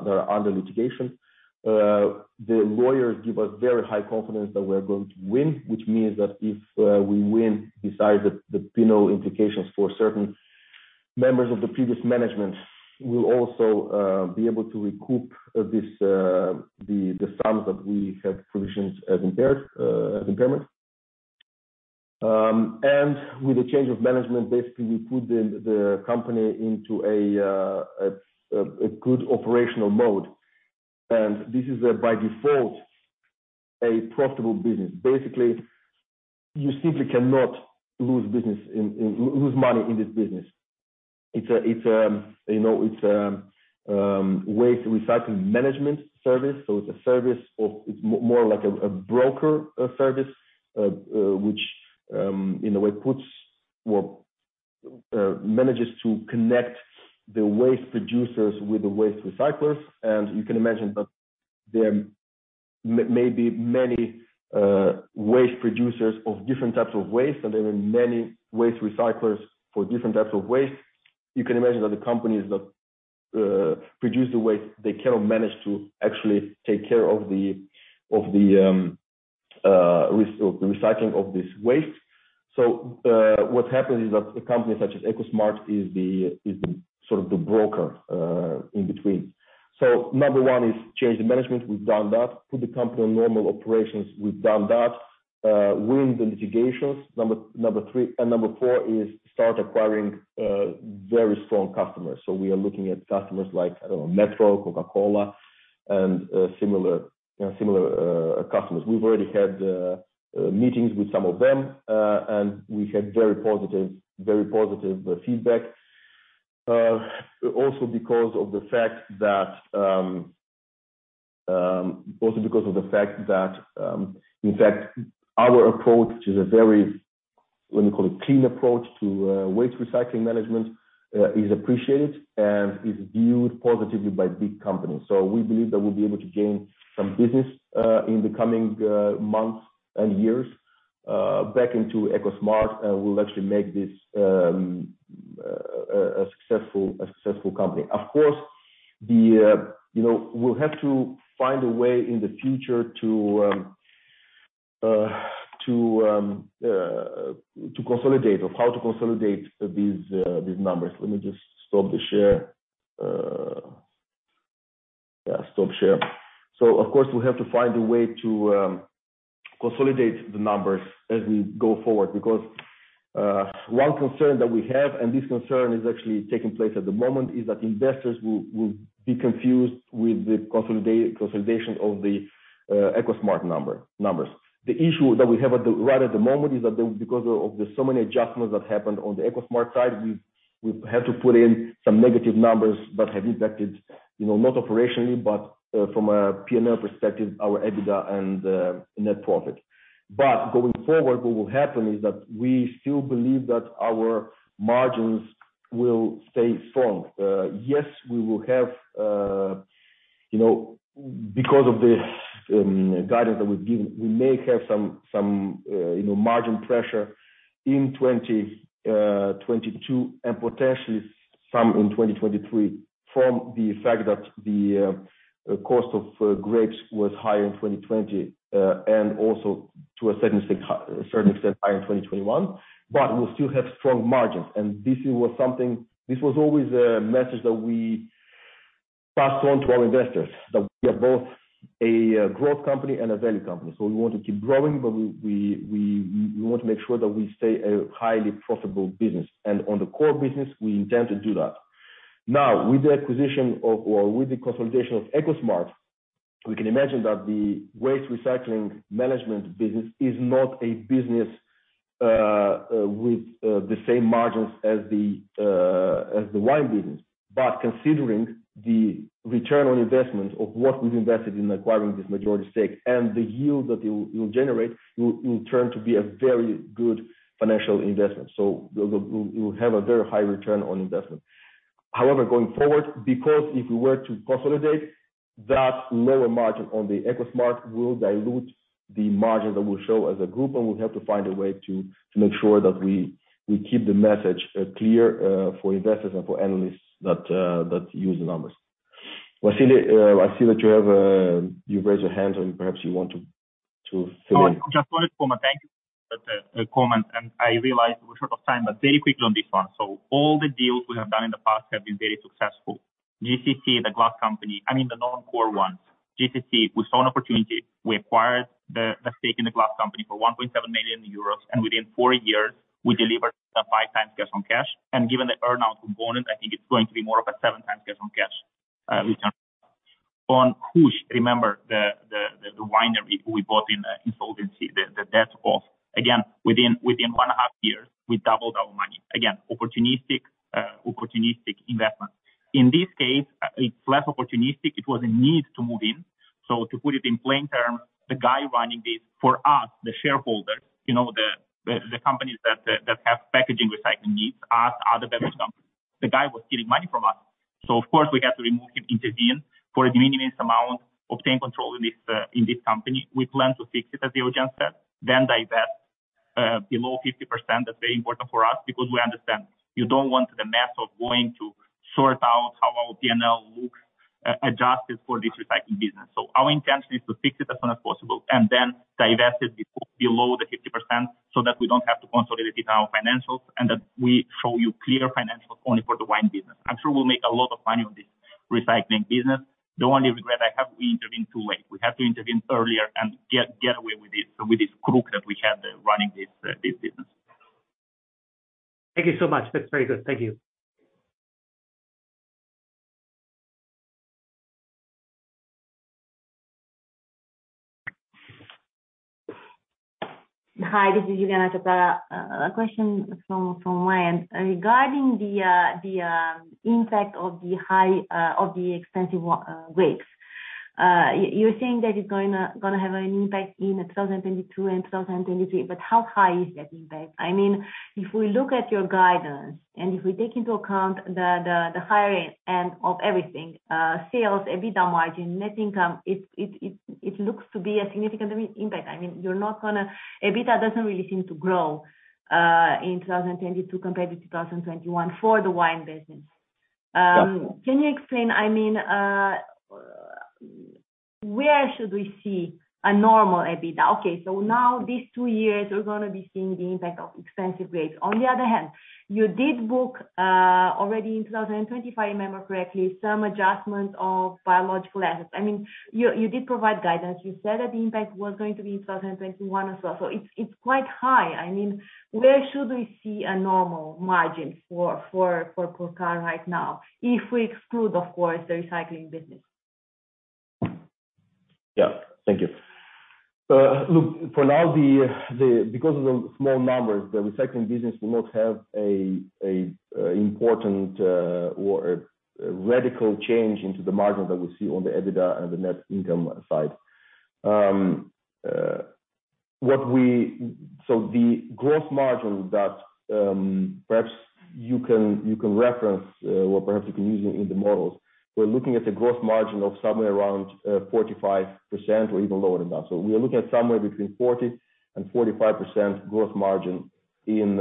are under litigation. The lawyers give us very high confidence that we're going to win, which means that if we win, besides the penal implications for certain members of the previous management, we'll also be able to recoup the sums that we have provisioned as impairment. With the change of management, basically, we put the company into a good operational mode. This is by default a profitable business. Basically, you simply cannot lose money in this business. It's a, you know, waste recycling management service. It's a service. It's more like a broker service, which in a way manages to connect the waste producers with the waste recyclers. You can imagine that there may be many waste producers of different types of waste, and there are many waste recyclers for different types of waste. You can imagine that the companies that produce the waste, they cannot manage to actually take care of the recycling of this waste. What happens is that a company such as Ecosmart is the sort of broker in between. Number one is change the management. We've done that. Put the company on normal operations. We've done that. Win the litigations. Number three and number four is start acquiring very strong customers. We are looking at customers like, I don't know, Metro, Coca-Cola, and similar customers. We've already had meetings with some of them, and we had very positive feedback. Also because of the fact that in fact, our approach is a very, let me call it, clean approach to waste recycling management is appreciated and is viewed positively by big companies. We believe that we'll be able to gain some business in the coming months and years back into Ecosmart, and we'll actually make this a successful company. Of course, you know, we'll have to find a way in the future to consolidate or how to consolidate these numbers. Let me just stop the share. Stop share. Of course, we'll have to find a way to consolidate the numbers as we go forward. Because one concern that we have, and this concern is actually taking place at the moment, is that investors will be confused with the consolidation of the Ecosmart numbers. The issue that we have at the... Right at the moment is that the, because of the so many adjustments that happened on the Ecosmart side, we've had to put in some negative numbers that have impacted, you know, not operationally, but from a P&L perspective, our EBITDA and net profit. Going forward, what will happen is that we still believe that our margins will stay strong. Yes, we will have, you know, because of the guidance that we've given, we may have some margin pressure in 2022 and potentially some in 2023 from the fact that the cost of grapes was higher in 2020 and also to a certain extent higher in 2021. But we'll still have strong margins. This is what something. This was always a message that we passed on to our investors, that we are both a growth company and a value company. We want to keep growing, but we want to make sure that we stay a highly profitable business. On the core business, we intend to do that. Now, with the acquisition or consolidation of Ecosmart, we can imagine that the waste recycling management business is not a business with the same margins as the wine business. Considering the return on investment of what we've invested in acquiring this majority stake and the yield that it will generate, it will turn to be a very good financial investment. We'll have a very high return on investment. However, going forward, because if we were to consolidate that lower margin on the Ecosmart, we'll dilute the margin that we'll show as a group, and we'll have to find a way to make sure that we keep the message clear for investors and for analysts that use the numbers. Vasile, that you've raised your hand, so perhaps you want to say. No, just one comment. Thank you for the comment. I realize we're short of time, but very quickly on this one. All the deals we have done in the past have been very successful. GCC, the glass company, I mean the non-core ones. GCC, we saw an opportunity. We acquired the stake in the glass company for 1.7 million euros, and within four years we delivered a 5x cash on cash. Given the earn-out component, I think it's going to be more of a 7x cash on cash return. On Hush, remember the winery we bought in insolvency, the debt of, again, within 1.5 years, we doubled our money. Again, opportunistic investment. In this case, it's less opportunistic. It was a need to move in. To put it in plain terms, the guy running this for us, the shareholders, you know, the companies that have packaging recycling needs, us, other beverage companies. The guy was stealing money from us. Of course, we had to remove him, intervene for a de minimis amount, obtain control in this company. We plan to fix it, as Eugen said, then divest below 50%. That's very important for us because we understand you don't want the mess of going to sort out how our P&L looks adjusted for this recycling business. Our intention is to fix it as soon as possible and then divest it below the 50% so that we don't have to consolidate it in our financials, and that we show you clear financials only for the wine business. I'm sure we'll make a lot of money on this recycling business. The only regret I have, we intervened too late. We had to intervene earlier and get away with this crook that we had running this business. Thank you so much. That's very good. Thank you. Hi, this is Iuliana Tăcară. A question from Ryan. Regarding the impact of the expensive grapes. You're saying that it's gonna have an impact in 2022 and 2023, but how high is that impact? I mean, if we look at your guidance, and if we take into account the higher end of everything, sales, EBITDA margin, net income, it looks to be a significant impact. I mean, you're not gonna. EBITDA doesn't really seem to grow in 2022 compared to 2021 for the wine business. Yeah. Can you explain, I mean, where should we see a normal EBITDA? Okay, now these two years, we're gonna be seeing the impact of expensive grapes. On the other hand, you did book already in 2020, if I remember correctly, some adjustment of biological assets. I mean, you did provide guidance. You said that the impact was going to be in 2021 as well. It's quite high. I mean, where should we see a normal margin for Purcari right now? If we exclude, of course, the recycling business. Yeah. Thank you. Look, for now, because of the small numbers, the recycling business will not have an important or a radical change into the margin that we see on the EBITDA and the net income side. So the gross margin that perhaps you can reference or perhaps you can use it in the models. We're looking at a gross margin of somewhere around 45% or even lower than that. We are looking at somewhere between 40%-45% gross margin in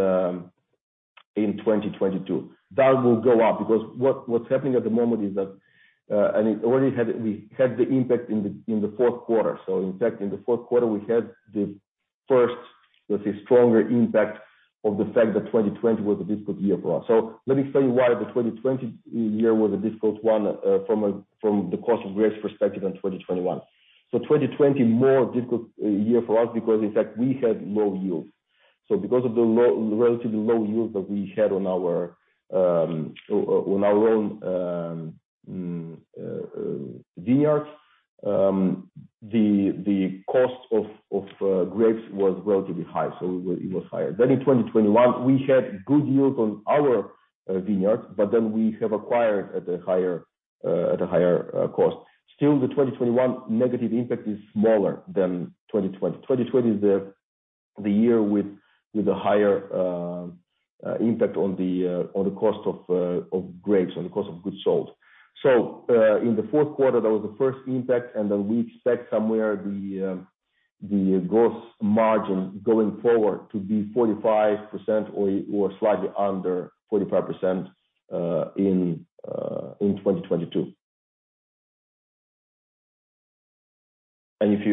2022. That will go up because what's happening at the moment is that and we had the impact in the fourth quarter. In fact in the fourth quarter we had the first, let's say, stronger impact of the fact that 2020 was a difficult year for us. Let me tell you why the 2020 year was a difficult one from the cost of grapes perspective in 2021. 2020 more difficult year for us because in fact we had low yields. Because of the low, relatively low yields that we had on our own vineyards, the cost of grapes was relatively high, so it was higher. In 2021, we had good yields on our vineyards, but then we have acquired at a higher cost. Still the 2021 negative impact is smaller than 2020. 2020 is the year with a higher impact on the cost of grapes, on the cost of goods sold. In the fourth quarter, that was the first impact, and then we expect somewhere the gross margin going forward to be 45% or slightly under 45%, in 2022. If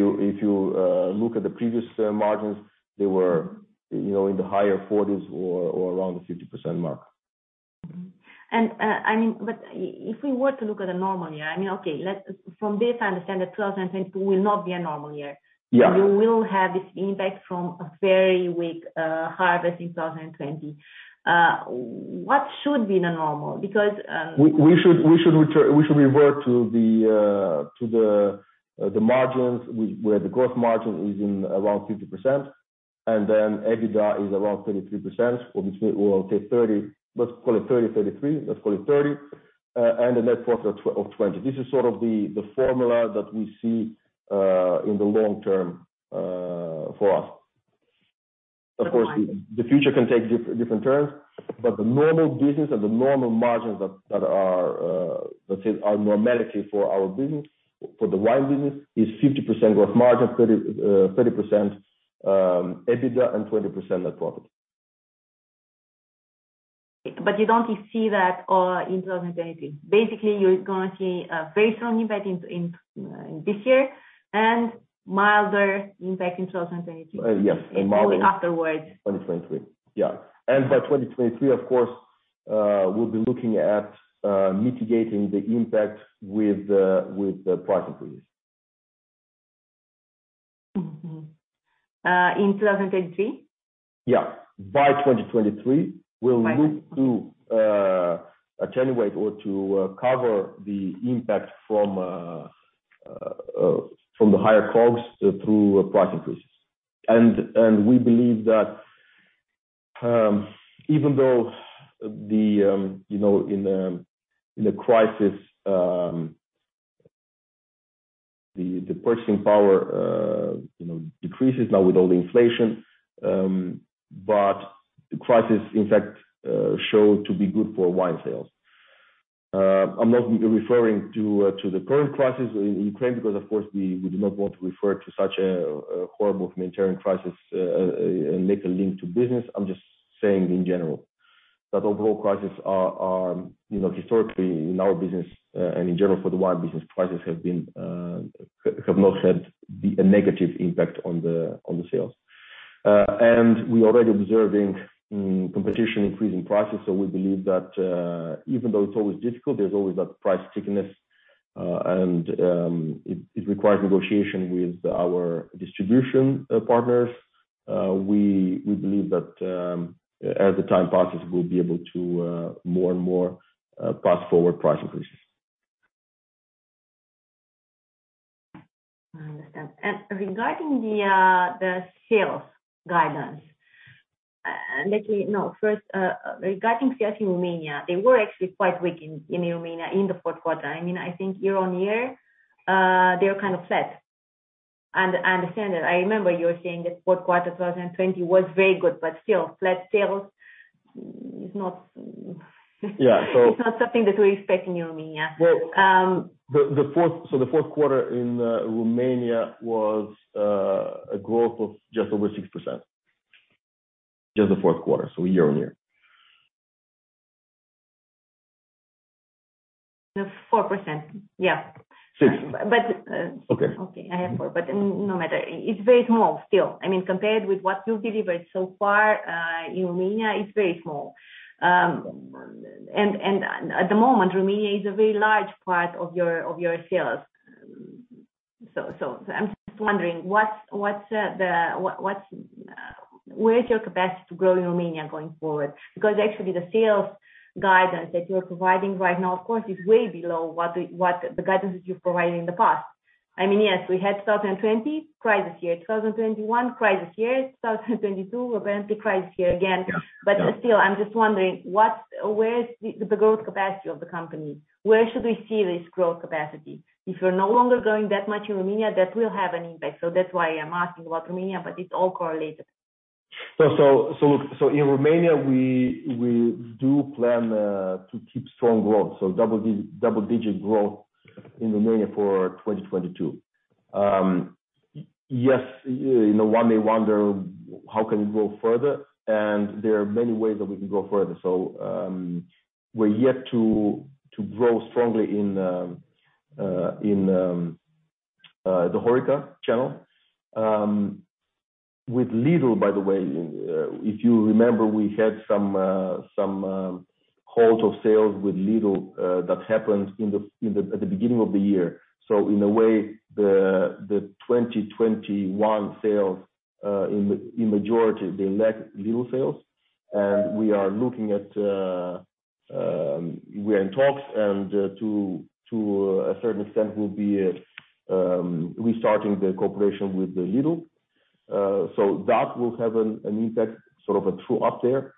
you look at the previous margins, they were, you know, in the higher 40s or around the 50% mark. I mean, but if we were to look at a normal year, I mean, okay, from this I understand that 2022 will not be a normal year. Yeah. You will have this impact from a very weak harvest in 2020. What should be the normal? Because We should revert to the margins where the gross margin is around 50%, and then EBITDA is around 33%, or between we'll take 30. Let's call it 30, 33, let's call it 30. And the net profit of 20. This is sort of the formula that we see in the long term for us. Of course, the future can take different turns, but the normal business or the normal margins that are, let's say, normality for our business, for the wine business is 50% gross margin, 30% EBITDA and 20% net profit. You don't see that in 2020. Basically, you're gonna see a very strong impact in this year and milder impact in 2022. Yes. Probably afterwards. 2023. Yeah. By 2023, of course, we'll be looking at mitigating the impact with the price increase. Mm-hmm. Uh, in two thousand and twenty-three? Yeah. By 2023. By then. We'll look to attenuate or to cover the impact from the higher costs through price increase. We believe that even though you know in a crisis the purchasing power you know decreases now with all the inflation but the crisis in fact show to be good for wine sales. I'm not referring to the current crisis in Ukraine because of course we do not want to refer to such a horrible humanitarian crisis and make a link to business. I'm just saying in general. Overall crises are you know historically in our business and in general for the wine business crises have been have not had a negative impact on the sales. We're already observing competition increasing prices. We believe that, even though it's always difficult, there's always that price stickiness, and it requires negotiation with our distribution partners. We believe that, as the time passes, we'll be able to more and more pass forward price increases. I understand. Regarding the sales guidance, first, regarding sales in Romania, they were actually quite weak in Romania in the fourth quarter. I mean, I think year-on-year, they were kind of flat. I understand that. I remember you were saying that fourth quarter 2020 was very good, but still flat sales is not- Yeah. It's not something that we expect in Romania. Well, the fourth quarter in Romania was a growth of just over 6%. Just the fourth quarter, year-on-year. 4%. Yeah. Six. But, uh- Okay. Okay. I have four, but no matter. It's very small still. I mean, compared with what you've delivered so far, in Romania, it's very small. At the moment, Romania is a very large part of your sales. I'm just wondering what is your capacity to grow in Romania going forward. Because actually the sales guidance that you're providing right now, of course, is way below what the guidance that you've provided in the past. I mean, yes, we had 2020 crisis year, 2021 crisis year, 2022 apparently crisis year again. Yeah. Still, I'm just wondering where is the growth capacity of the company? Where should we see this growth capacity? If you're no longer growing that much in Romania, that will have an impact. That's why I'm asking about Romania, but it's all correlated. In Romania, we do plan to keep strong growth, double-digit growth in Romania for 2022. Yes, you know, one may wonder how we can grow further, and there are many ways that we can grow further. We're yet to grow strongly in the HoReCa channel. With Lidl, by the way, if you remember, we had some halt in sales with Lidl that happened at the beginning of the year. In a way the 2021 sales in the majority they lack Lidl sales. We are looking at, we are in talks and to a certain extent we'll be restarting the cooperation with Lidl. That will have an impact, sort of a true up there.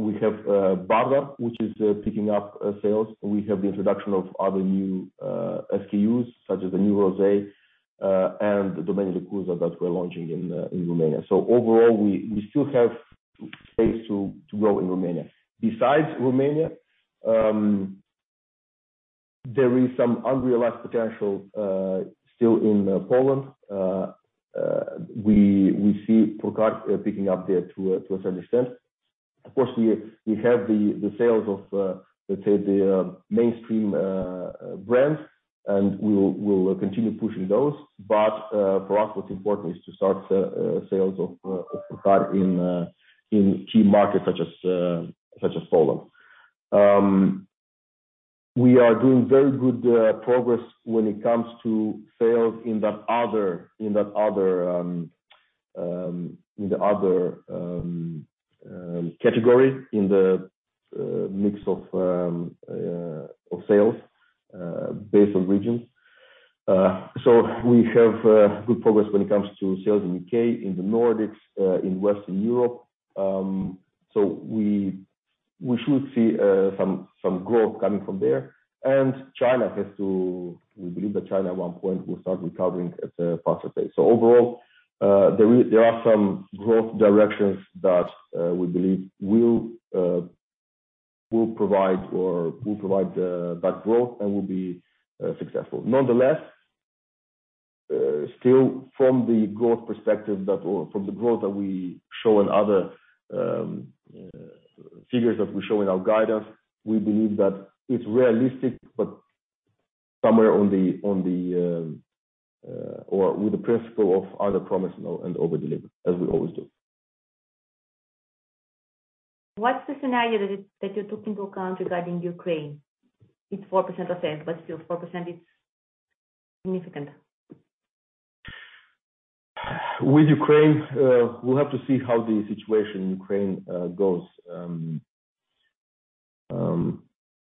We have Barder, which is picking up sales. We have the introduction of other new SKUs such as the new rosé and Domeniile Cuza that we're launching in Romania. Overall we still have space to grow in Romania. Besides Romania, there is some unrealized potential still in Poland. We see Pokal picking up there to a certain extent. Of course, we have the sales of, let's say the mainstream brands, and we'll continue pushing those. For us, what's important is to start sales of Pokal in key markets such as Poland. We are doing very good progress when it comes to sales in the other category, in the mix of sales based on regions. We have good progress when it comes to sales in U.K., in the Nordics, in Western Europe. We should see some growth coming from there. We believe that China at one point will start recovering at a faster pace. Overall, there are some growth directions that we believe will provide that growth and will be successful. Nonetheless, still from the growth perspective or from the growth that we show in other figures that we show in our guidance, we believe that it's realistic, but somewhere on the or with the principle of underpromise and overdeliver, as we always do. What's the scenario that you took into account regarding Ukraine? It's 4% of sales, but still 4% is significant. With Ukraine, we'll have to see how the situation in Ukraine goes.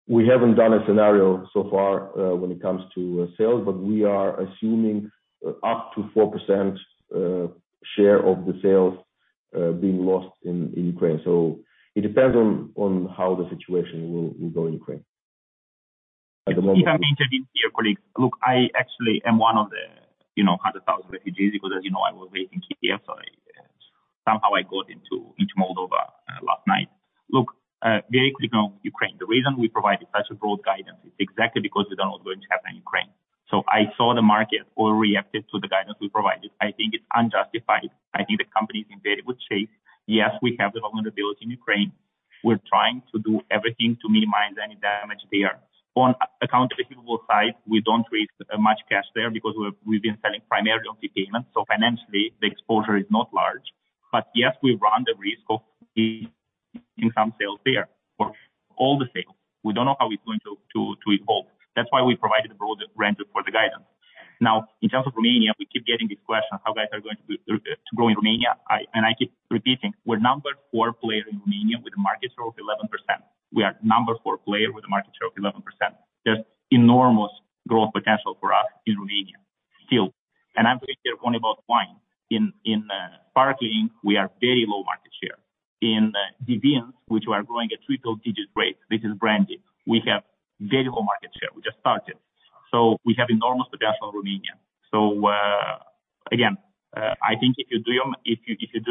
We haven't done a scenario so far when it comes to sales, but we are assuming up to 4% share of the sales being lost in Ukraine. It depends on how the situation will go in Ukraine. At the moment. If you have the interview here, colleagues. Look, I actually am one of the 100,000 refugees because as you know, I was raised in Kyiv. I somehow got into Moldova last night. Look, very quickly on Ukraine. The reason we provided such a broad guidance is exactly because we don't know what's going to happen in Ukraine. I saw the market overreacted to the guidance we provided. I think it's unjustified. I think the company is in very good shape. Yes, we have development ability in Ukraine. We're trying to do everything to minimize any damage there. On accounts receivable side, we don't realize much cash there because we've been selling primarily on prepayment. Financially the exposure is not large. Yes, we run the risk of losing some sales there or all the sales. We don't know how it's going to evolve. That's why we provided a broad range for the guidance. Now, in terms of Romania, we keep getting these questions, how guys are going to grow in Romania. I keep repeating, we're number four player in Romania with a market share of 11%. We are number four player with a market share of 11%. There's enormous growth potential for us in Romania still. I'm talking only about wine. In sparkling we are very low market share. In BIBs, which we are growing at triple digits rate, this is branded, we have very low market share. We just started. We have enormous potential in Romania. Again, I think if you do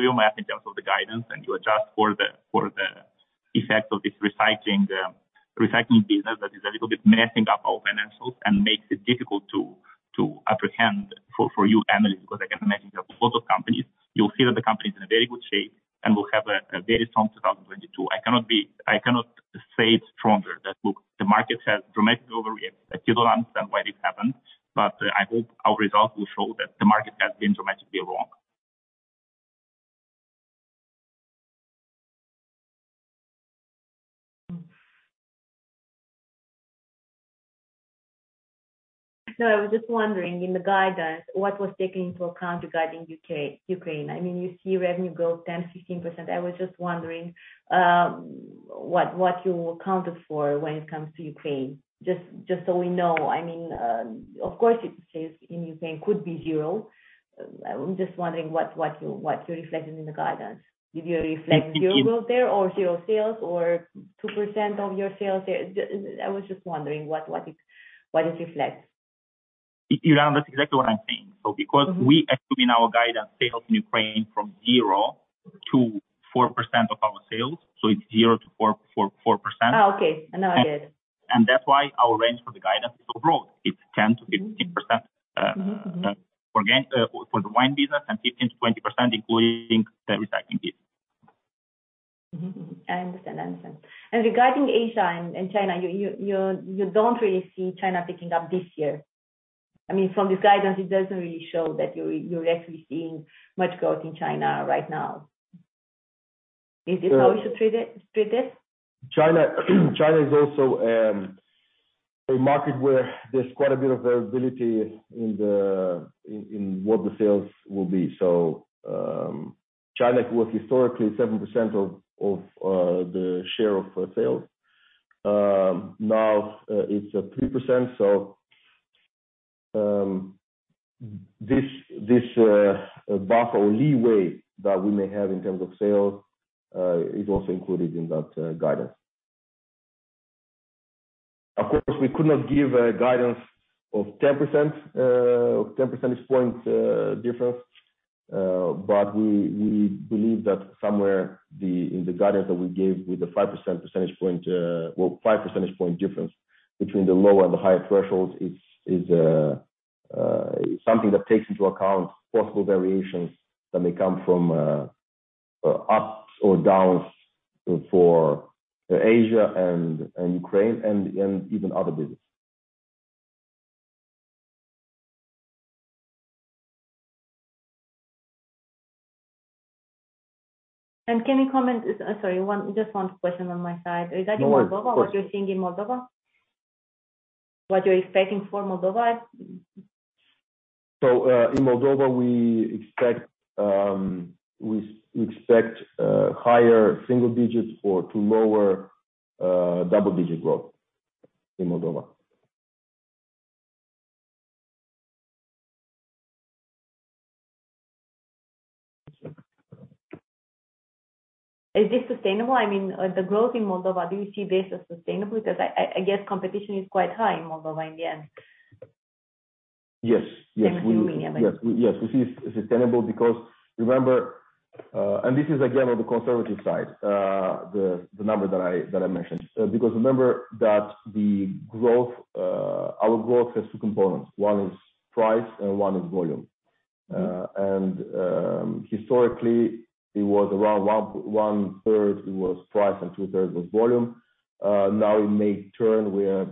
your math in terms of the guidance and you adjust for the effect of this recycling business that is a little bit messing up our financials and makes it difficult to apprehend for you analysts because I can imagine you have a lot of companies, you'll see that the company is in a very good shape and will have a very strong 2022. I cannot say it stronger that, look, the market has dramatically overreacted. I still don't understand why this happened, but I hope our results will show that the market has been dramatically wrong. No, I was just wondering in the guidance what was taken into account regarding Ukraine. I mean, you see revenue growth 10%-15%. I was just wondering what you accounted for when it comes to Ukraine. Just so we know. I mean, of course the sales in Ukraine could be zero. I'm just wondering what you reflected in the guidance. Did you reflect zero growth there or zero sales or 2% of your sales there? I was just wondering what it reflects. Iuliana, that's exactly what I'm saying. Because we include in our guidance sales in Ukraine from 0%-4% of our sales, it's 0%-4%. Oh, okay. Now I get it. That's why our range for the guidance is so broad. It's 10%-15%, again, for the wine business, and 15%-20% including the recycling business. Mm-hmm. I understand. Regarding Asia and China, you don't really see China picking up this year. I mean, from this guidance, it doesn't really show that you're actually seeing much growth in China right now. Is this how we should treat it? China is also a market where there's quite a bit of variability in what the sales will be. China was historically 7% of the share of sales. Now it's at 3%, so this buffer or leeway that we may have in terms of sales is also included in that guidance. Of course, we could not give a guidance of 10%, ten percentage points difference. We believe that somewhere in the guidance that we gave with the five percentage point difference between the lower and the higher thresholds is something that takes into account possible variations that may come from ups or downs for Asia and Ukraine and even other business. Can you comment? Sorry, one, just one question on my side. Regarding Moldova, what you're seeing in Moldova, what you're expecting for Moldova. In Moldova, we expect higher single digits or low double-digit growth in Moldova. Is this sustainable? I mean, the growth in Moldova, do you see this as sustainable? Because I guess competition is quite high in Moldova in the end. Yes. Yes. Assuming, I mean. Yes. Yes. We see it sustainable because remember, and this is again on the conservative side, the number that I mentioned. Because remember that the growth, our growth has two components. One is price and one is volume. Historically it was around 1/3 was price and 2/3 was volume. Now it may turn where,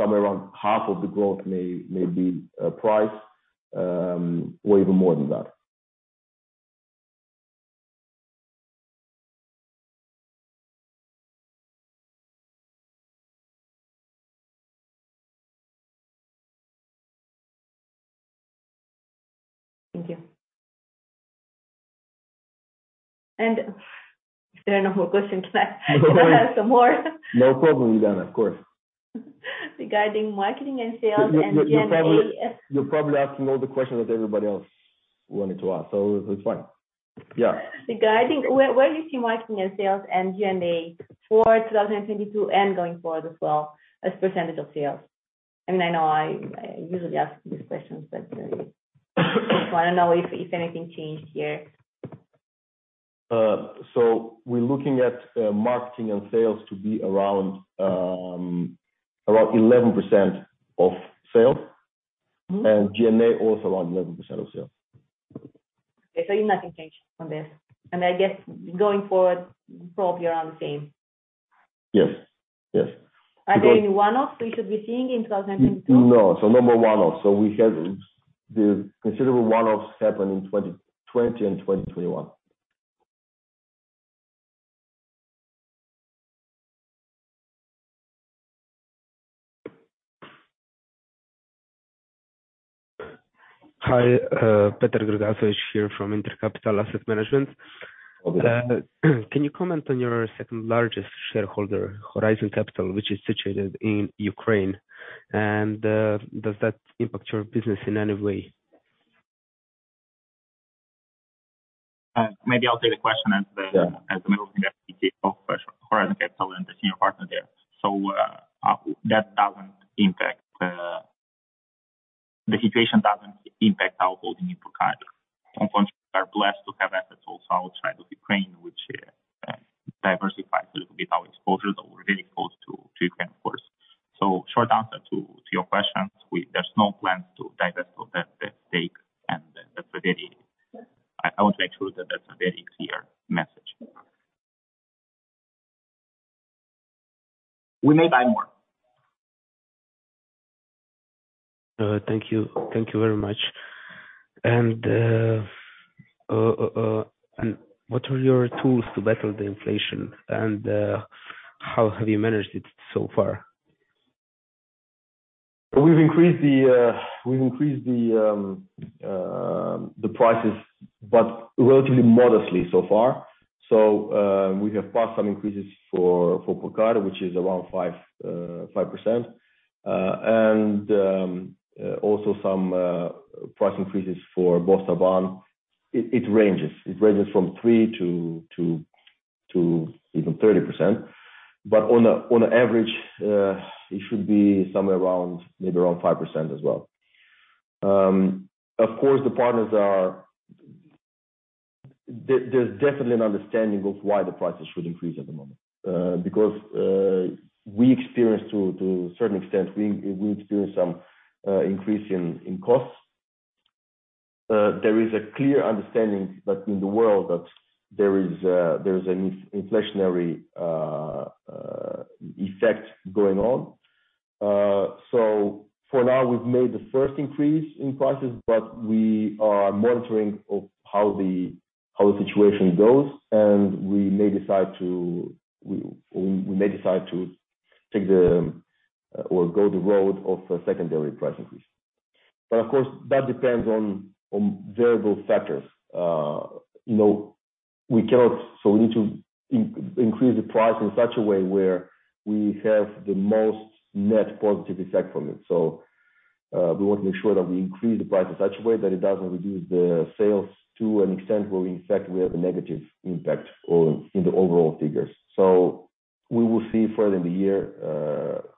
somewhere around half of the growth may be price, or even more than that. Thank you. If there are no more questions, can I ask some more? No problem, Iuliana. Of course. Regarding marketing and sales and G&A. You're probably asking all the questions that everybody else wanted to ask, so it's fine. Yeah. Regarding where do you see marketing and sales and G&A for 2022 and going forward as well as percentage of sales? I know I usually ask these questions, but I just want to know if anything changed here. We're looking at marketing and sales to be around 11% of sales. Mm-hmm. G&A also around 11% of sales. Okay. Nothing changed from this. I guess going forward, probably around the same. Yes. Yes. Are there any one-offs we should be seeing in 2022? No. No more one-offs. We have the considerable one-offs happened in 2020 and 2021. Hi, Peter Grgašević here from InterCapital Asset Management. Hello. Can you comment on your second largest shareholder, Horizon Capital, which is situated in Ukraine? Does that impact your business in any way? Maybe I'll take the question as the. Yeah. .....[d] The situation doesn't impact our holding in Purcari. We are blessed to have assets also outside of Ukraine, which diversifies a little bit our exposure, though we're really exposed to Ukraine, of course. Short answer to your questions, there's no plans to divest of that stake. I want to make sure that that's a very clear message. We may buy more. Thank you very much. What are your tools to battle the inflation? How have you managed it so far? We've increased the prices, but relatively modestly so far. We have passed some increases for Purcari, which is around 5%. Also some price increases for Bostavan. It ranges from 3% to even 30%. On an average, it should be somewhere around, maybe around 5% as well. Of course, the partners are. There's definitely an understanding of why the prices should increase at the moment because we experienced, to a certain extent, some increase in costs. There is a clear understanding that in the world there is an inflationary effect going on. For now, we've made the first increase in prices, but we are monitoring how the situation goes, and we may decide to go the road of a secondary price increase. Of course, that depends on variable factors. You know, we cannot. We need to increase the price in such a way where we have the most net positive effect from it. We want to make sure that we increase the price in such a way that it doesn't reduce the sales to an extent where in fact we have a negative impact on the overall figures. We will see further in the year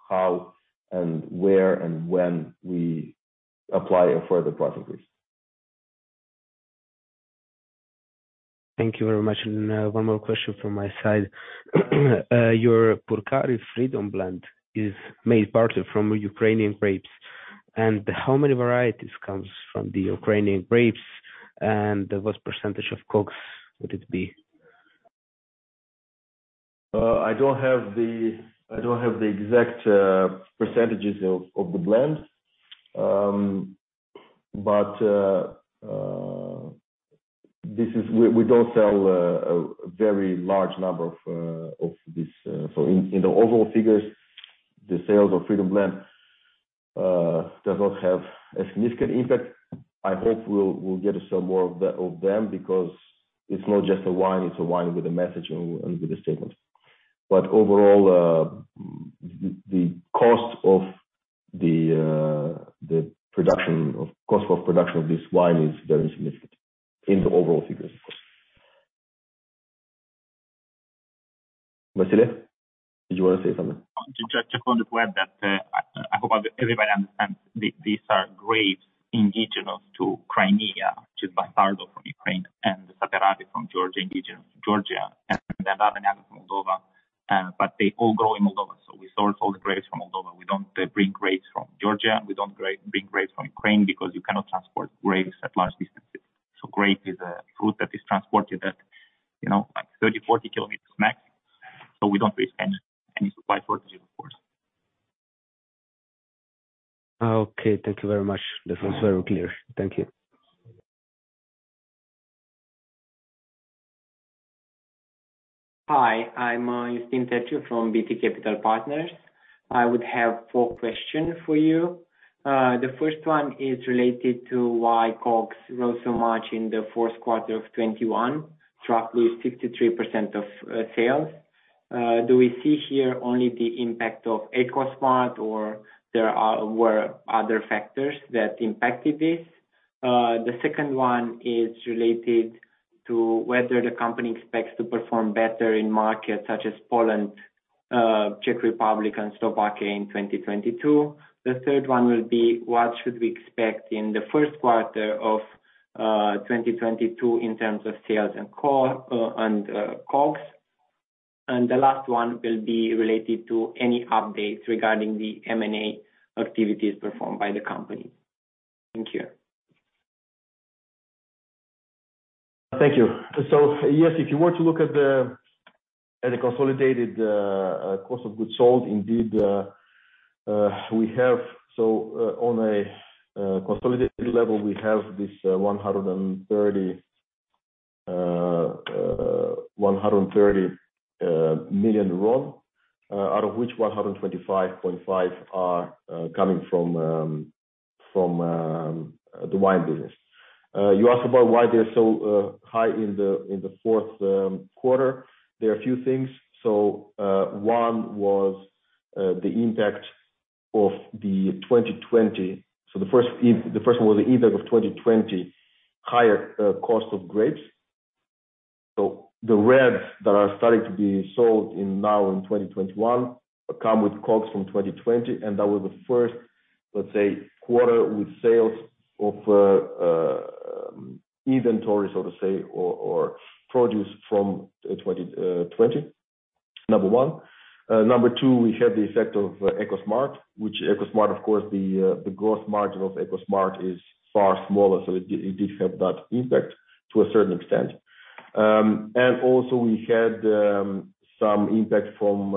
how and where and when we apply a further price increase. Thank you very much. One more question from my side. Your Purcari Freedom Blend is made partly from Ukrainian grapes. How many varieties comes from the Ukrainian grapes, and what percentage of COGS would it be? I don't have the exact percentages of the blend. In the overall figures, the sales of Freedom Blend does not have a significant impact. I hope we'll get to sell more of them because it's not just a wine, it's a wine with a message and with a statement. Overall, the cost of production of this wine is very significant in the overall figures, of course. Vasile, did you want to say something? Just to confirm that, I hope everybody understands these are grapes indigenous to Crimea, to Bastardo from Ukraine, and Saperavi from Georgia, indigenous to Georgia, and Rară Neagră from Moldova. They all grow in Moldova, so we source all the grapes from Moldova. We don't bring grapes from Georgia, we don't bring grapes from Ukraine because you cannot transport grapes at large distances. Grape is a fruit that is transported at, you know, like 30 km, 40 km max. We don't risk any supply shortages of course. Okay. Thank you very much. That was very clear. Thank you. Hi, I'm Justin Tetcher from BT Capital Partners. I have four questions for you. The first one is related to why COGS rose so much in the fourth quarter of 2021 to 63% of sales. Do we see here only the impact of Ecosmart or were other factors that impacted this? The second one is related to whether the company expects to perform better in markets such as Poland, Czech Republic and Slovakia in 2022. The third one will be, what should we expect in the first quarter of 2022 in terms of sales and COGS? The last one will be related to any updates regarding the M&A activities performed by the company. Thank you. Thank you. Yes, if you were to look at the consolidated cost of goods sold, indeed, we have. On a consolidated level, we have this RON 130 million, out of which RON 125.5 million are coming from the wine business. You asked about why they're so high in the fourth quarter. There are a few things. One was the impact of 2020. The first one was the impact of 2020 higher cost of grapes. The reds that are starting to be sold in 2021 come with COGS from 2020, and that was the first, let's say, quarter with sales of inventories, so to say, or produced from 2021. Number two, we had the effect of Ecosmart, which of course the gross margin of Ecosmart is far smaller, so it did have that impact to a certain extent. And also we had some impact from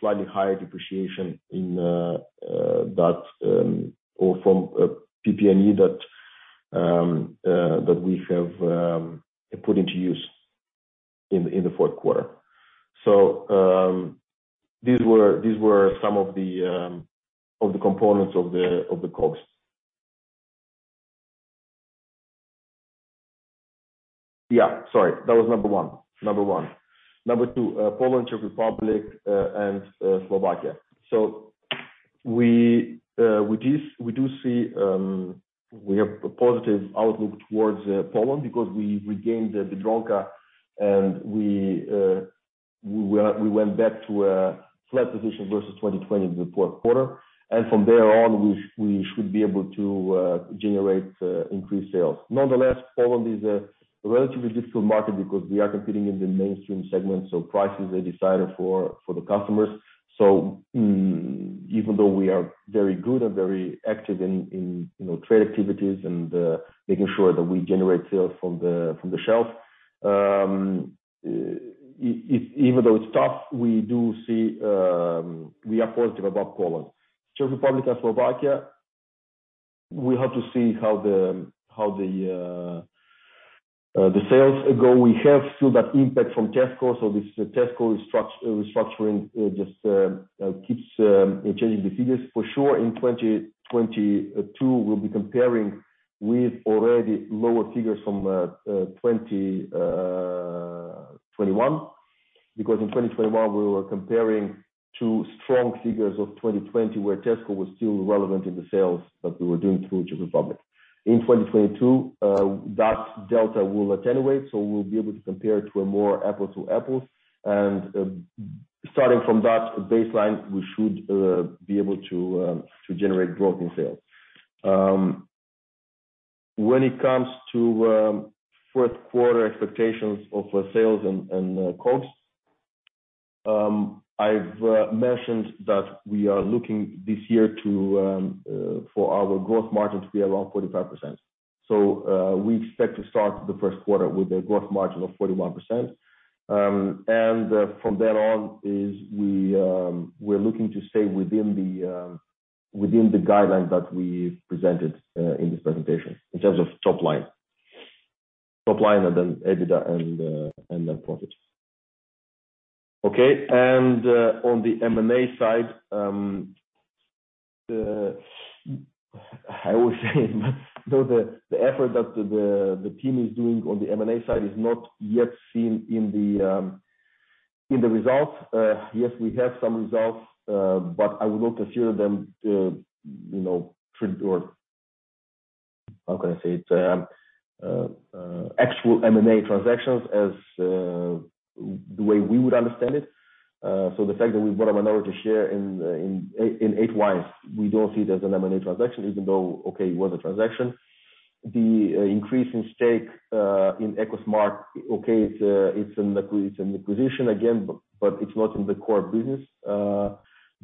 slightly higher depreciation in that or from PP&E that we have put into use in the fourth quarter. These were some of the components of the COGS. Yeah, sorry. That was number one. Number one. Number two, Poland, Czech Republic, and Slovakia. We see a positive outlook towards Poland because we regained the Biedronka and we went back to a flat position versus 2020 in the fourth quarter. From there on, we should be able to generate increased sales. Nonetheless, Poland is a relatively difficult market because we are competing in the mainstream segment, so prices are decided for the customers. Even though we are very good and very active in, you know, trade activities and making sure that we generate sales from the shelves, even though it's tough, we are positive about Poland. Czech Republic and Slovakia, we have to see how the sales go. We have seen that impact from Tesco. This Tesco restructuring just keeps changing the figures. For sure, in 2022, we'll be comparing with already lower figures from 2021. Because in 2021, we were comparing to strong figures of 2020, where Tesco was still relevant in the sales that we were doing through Czech Republic. In 2022, that delta will attenuate, so we'll be able to compare to a more apples to apples. Starting from that baseline, we should be able to generate growth in sales. When it comes to fourth quarter expectations of sales and costs, I've mentioned that we are looking this year for our gross margin to be around 45%. We expect to start the first quarter with a gross margin of 41%. From then on, we're looking to stay within the guidelines that we presented in this presentation in terms of top line. Top line and then EBITDA and net profit. On the M&A side, the effort that the team is doing on the M&A side is not yet seen in the results. Yes, we have some results, but I would not consider them, you know, actual M&A transactions as the way we would understand it. The fact that we bought a minority share in 8Wines.com, we don't see it as an M&A transaction, even though it was a transaction. The increase in stake in Ecosmart, it's an acquisition again, but it's not in the core business.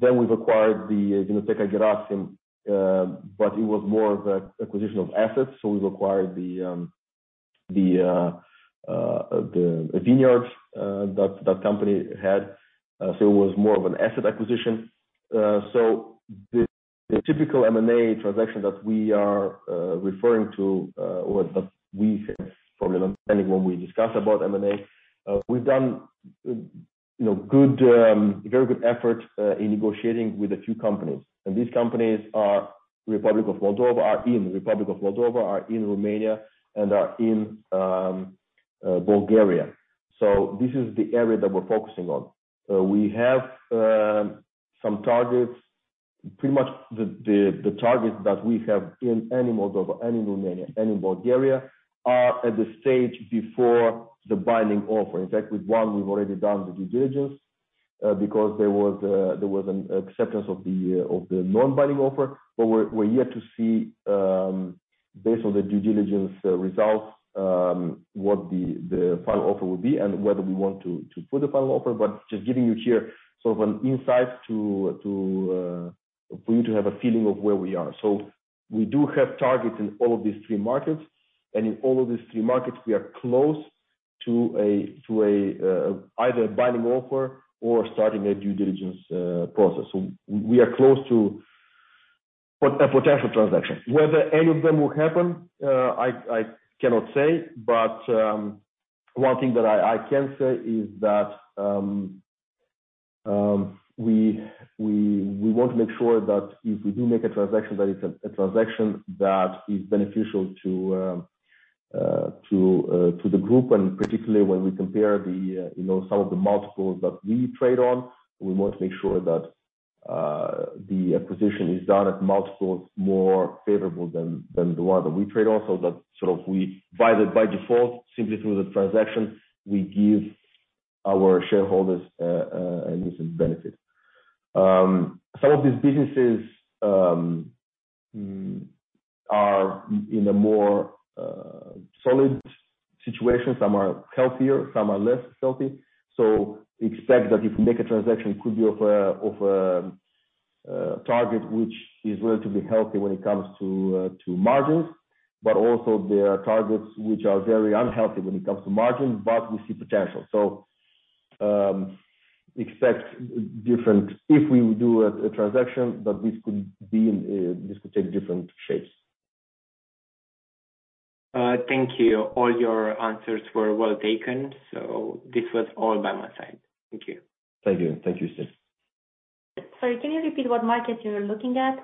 Then we've acquired the Vinoteca Gherasim, but it was more of an acquisition of assets. We've acquired the vineyards that company had. It was more of an asset acquisition. The typical M&A transaction that we are referring to or that we have probably when we discuss about M&A, we've done, you know, very good efforts in negotiating with a few companies. These companies are in the Republic of Moldova or in... Republic of Moldova, in Romania and in Bulgaria. This is the area that we're focusing on. We have some targets. Pretty much the targets that we have in Moldova, in Romania, in Bulgaria are at the stage before the binding offer. In fact, with one, we've already done the due diligence because there was an acceptance of the non-binding offer. We're yet to see based on the due diligence results what the final offer will be and whether we want to put a final offer. Just giving you here sort of an insight into, for you to have a feeling of where we are. We do have targets in all of these three markets. In all of these three markets, we are close to either a binding offer or starting a due diligence process. We are close to a potential transaction. Whether any of them will happen, I cannot say. One thing that I can say is that we want to make sure that if we do make a transaction, that it's a transaction that is beneficial to the group. Particularly when we compare, you know, some of the multiples that we trade on, we want to make sure that the acquisition is done at multiples more favorable than the one that we trade on. That sort of we, by default, simply through the transaction, we give our shareholders a decent benefit. Some of these businesses are in a more solid situation. Some are healthier, some are less healthy. Expect that if we make a transaction, could be of a target which is relatively healthy when it comes to margins. Also there are targets which are very unhealthy when it comes to margins, but we see potential. Expect different if we do a transaction, but this could take different shapes. Thank you. All your answers were well taken. This was all by my side. Thank you. Thank you. Thank you, sir. Sorry, can you repeat what markets you're looking at?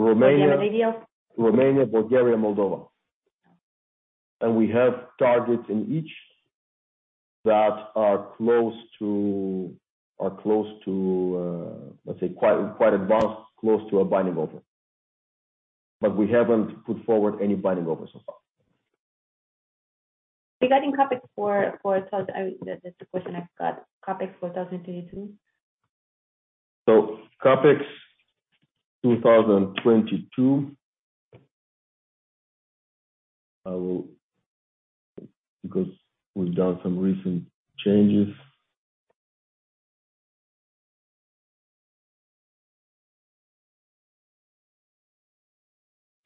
Romania Bulgaria maybe? Romania, Bulgaria, Moldova. We have targets in each that are close to, let's say quite advanced, close to a binding offer. We haven't put forward any binding offers so far. Regarding CapEx for 2022, that's the question I've got. CapEx 2022. Because we've done some recent changes,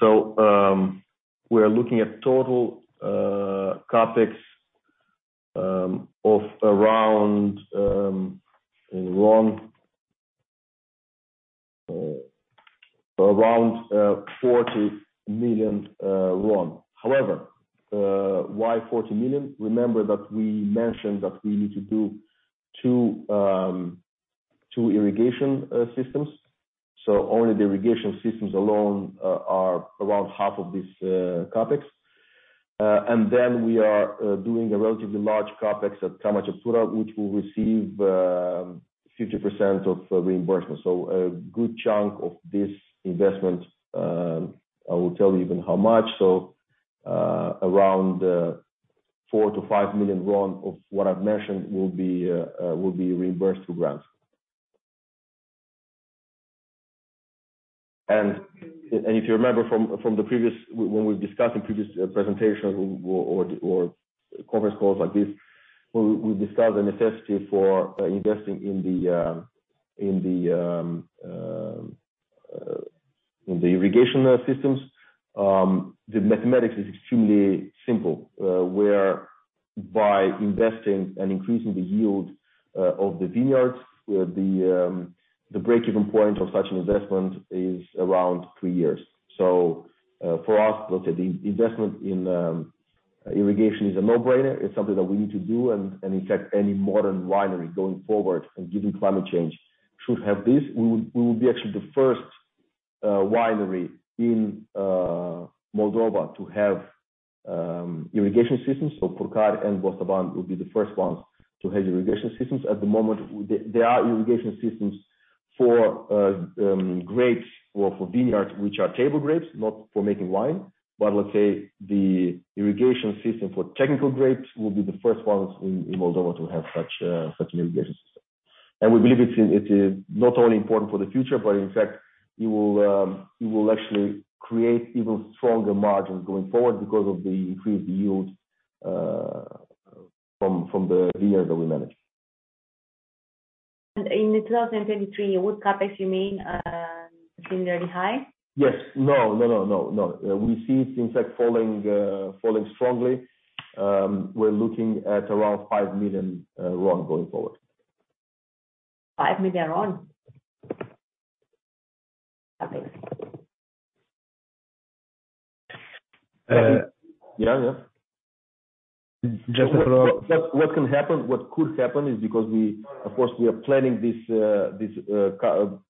we are looking at total CapEx of around RON 40 million. However, why 40 million? Remember that we mentioned that we need to do two irrigation systems. Only the irrigation systems alone are around half of this CapEx. And then we are doing a relatively large CapEx at Crama Ceptura, which will receive 50% of reimbursement. A good chunk of this investment, I will tell you even how much. Around four to five million RON of what I've mentioned will be reimbursed through grants. If you remember from the previous when we discussed in previous presentations or conference calls like this, we discussed the necessity for investing in the irrigation systems. The mathematics is extremely simple. Whereby investing and increasing the yield of the vineyards, the breakeven point of such an investment is around three years. For us, let's say the investment in irrigation is a no-brainer. It's something that we need to do. In fact, any modern winery going forward and given climate change should have this. We will be actually the first winery in Moldova to have irrigation systems. Purcari and Bardar will be the first ones to have irrigation systems. At the moment, there are irrigation systems for grapes or for vineyards, which are table grapes, not for making wine. Let's say the irrigation system for technical grapes will be the first ones in Moldova to have such an irrigation system. We believe it is not only important for the future, but in fact, it will actually create even stronger margins going forward because of the increased yields from the vineyards that we manage. In 2023, with CapEx, you mean, similarly high? Yes. No. We see it in fact falling strongly. We're looking at around RON 5 million going forward. RON 5 million? CapEx. Yeah. Yeah. What could happen is, of course, we are planning this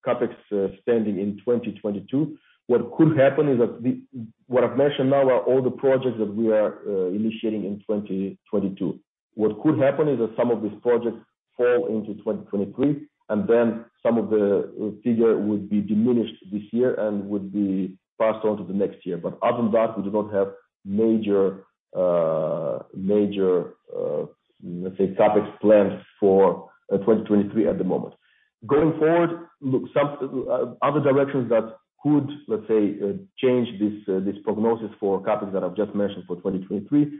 CapEx spending in 2022. What could happen is that what I've mentioned now are all the projects that we are initiating in 2022. What could happen is that some of these projects fall into 2023, and then some of the figure would be diminished this year and would be passed on to the next year. Other than that, we do not have major, let's say, CapEx plans for 2023 at the moment. Going forward, look, some other directions that could, let's say, change this prognosis for CapEx that I've just mentioned for 2023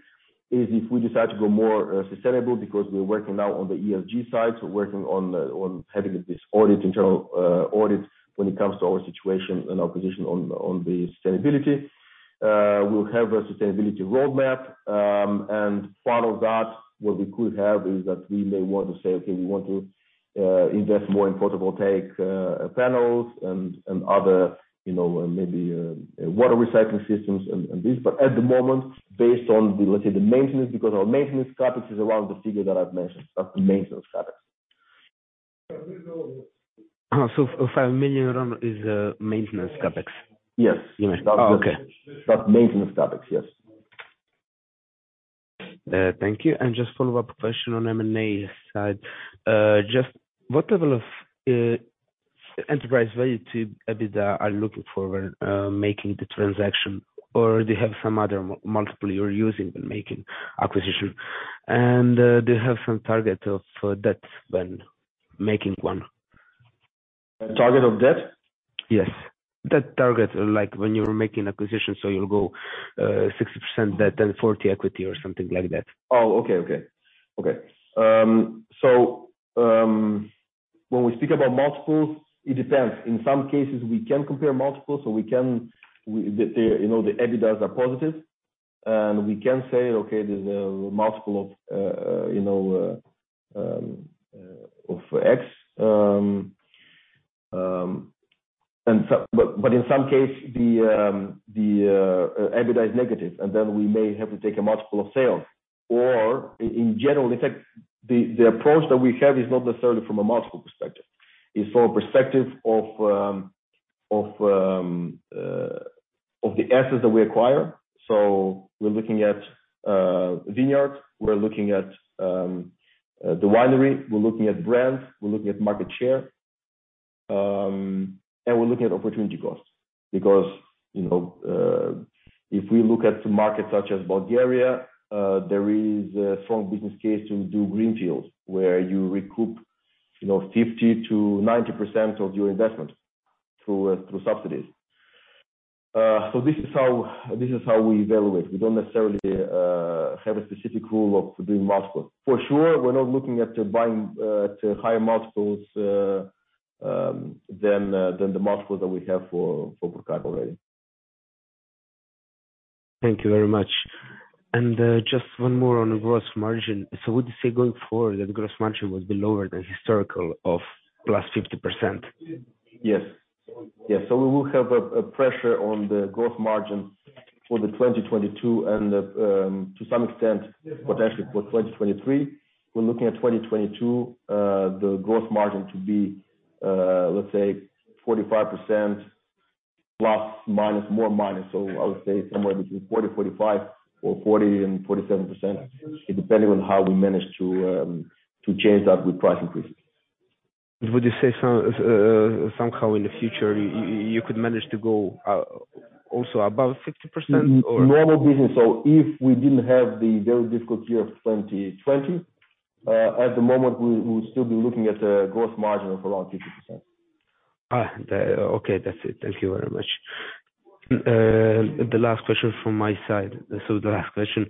is if we decide to go more sustainable because we're working now on the ESG side, so working on having this internal audit when it comes to our situation and our position on the sustainability. We'll have a sustainability roadmap. Part of that, what we could have is that we may want to say, "Okay, we want to invest more in photovoltaic panels and other, you know, maybe water recycling systems and this." At the moment, based on the, let's say, maintenance, because our maintenance CapEx is around the figure that I've mentioned, that's the maintenance CapEx. RON 5 million is maintenance CapEx? Yes. Okay. That's maintenance CapEx, yes. Thank you. Just follow-up question on M&A side. Just what level of enterprise value to EBITDA are you looking for when making the transaction? Or do you have some other multiple you're using when making acquisition? Do you have some target of debt when making one? Target of debt? Yes. Debt target, like when you're making acquisitions, so you'll go, 60% debt, then 40% equity or something like that. When we speak about multiples, it depends. In some cases, we can compare multiples. The you know, the EBITDA are positive, and we can say, "Okay, there's a multiple of, you know, of X." In some cases, the EBITDA is negative, and then we may have to take a multiple of sales or in general, in fact, the approach that we have is not necessarily from a multiple perspective. It's from a perspective of the assets that we acquire. We're looking at vineyards, we're looking at the winery, we're looking at brands, we're looking at market share, and we're looking at opportunity costs. Because, you know, if we look at markets such as Bulgaria, there is a strong business case to do greenfields, where you recoup, you know, 50%-90% of your investment through subsidies. This is how we evaluate. We don't necessarily have a specific rule of doing multiple. For sure, we're not looking at buying to higher multiples than the multiple that we have for Purcari already. Thank you very much. Just one more on the gross margin. Would you say going forward that the gross margin will be lower than historical of plus +50%? We will have a pressure on the gross margin for 2022 and, to some extent, potentially for 2023. We're looking at 2022, the gross margin to be, let's say 45% ±, more minus, so I would say somewhere between 40%-45% or 40%-47%, depending on how we manage to change that with price increases. Would you say so, somehow in the future you could manage to go also above 60% or? Normal business. If we didn't have the very difficult year of 2020, at the moment, we would still be looking at a gross margin of around 50%. Okay, that's it. Thank you very much. The last question from my side. The last question.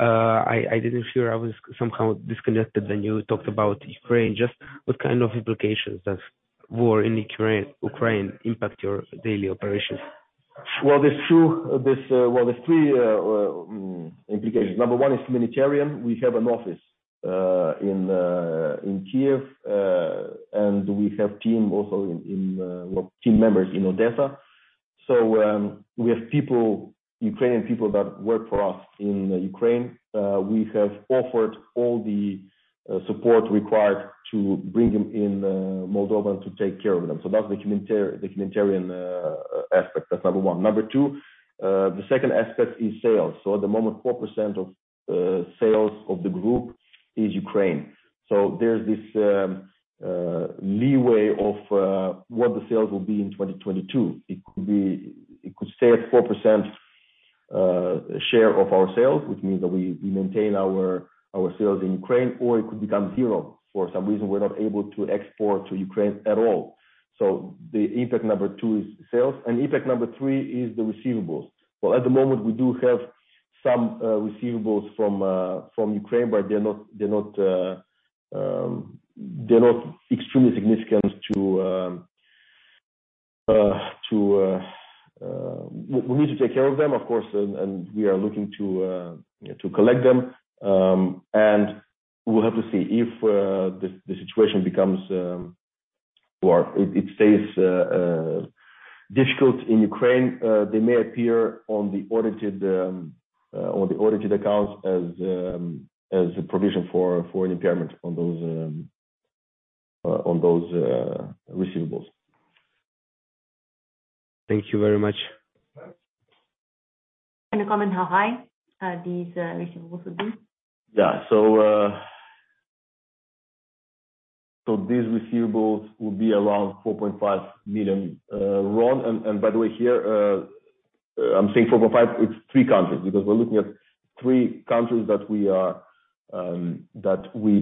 I didn't hear. I was somehow disconnected when you talked about Ukraine. Just what kind of implications does war in Ukraine impact your daily operations? Well, there's three implications. Number one is humanitarian. We have an office in Kyiv and we have team members in Odesa. We have people, Ukrainian people that work for us in Ukraine. We have offered all the support required to bring them in Moldova and to take care of them. That's the humanitarian aspect. That's number one. Number two, the second aspect is sales. At the moment, 4% of sales of the group is Ukraine. There's this leeway of what the sales will be in 2022. It could be, it could stay at 4% share of our sales, which means that we maintain our sales in Ukraine, or it could become zero. For some reason, we're not able to export to Ukraine at all. The impact number two is sales. Impact number three is the receivables. Well, at the moment we do have some receivables from Ukraine, but they're not extremely significant to. We need to take care of them, of course, and we are looking to collect them. We'll have to see. If the situation becomes worse or it stays difficult in Ukraine, they may appear on the audited accounts as a provision for an impairment on those receivables. Thank you very much. Any comment how high these receivables will be? These receivables will be around RON 4.5 million. By the way, here, I'm saying 4.5, it's three countries, because we're looking at three countries that we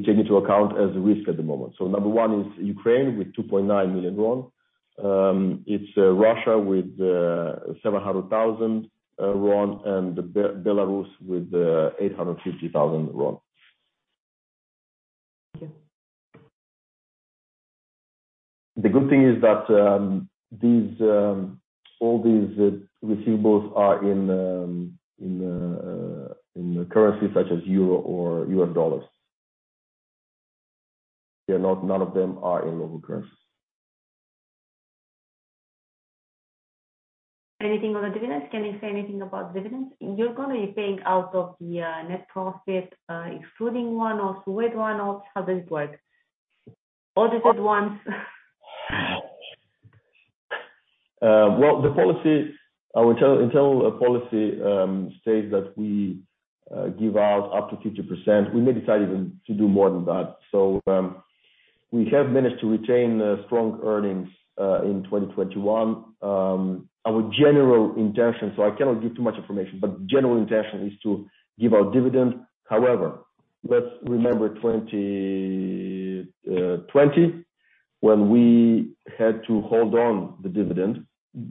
take into account as a risk at the moment. Number one is Ukraine with RON 2.9 million. It's Russia with RON 700,000, and Belarus with RON 850,000. Thank you. The good thing is that all these receivables are in currency such as euro or U.S. dollars. They're not in local currency. None of them are in local currency. Anything on the dividends? Can you say anything about dividends? You're gonna be paying out of the net profit, excluding one-offs, with one-offs, how does it work? Audited ones. Well, the policy, our internal policy, states that we give out up to 50%. We may decide even to do more than that. We have managed to retain strong earnings in 2021. Our general intention, I cannot give too much information, but general intention is to give out dividend. However, let's remember 2020 when we had to hold on the dividend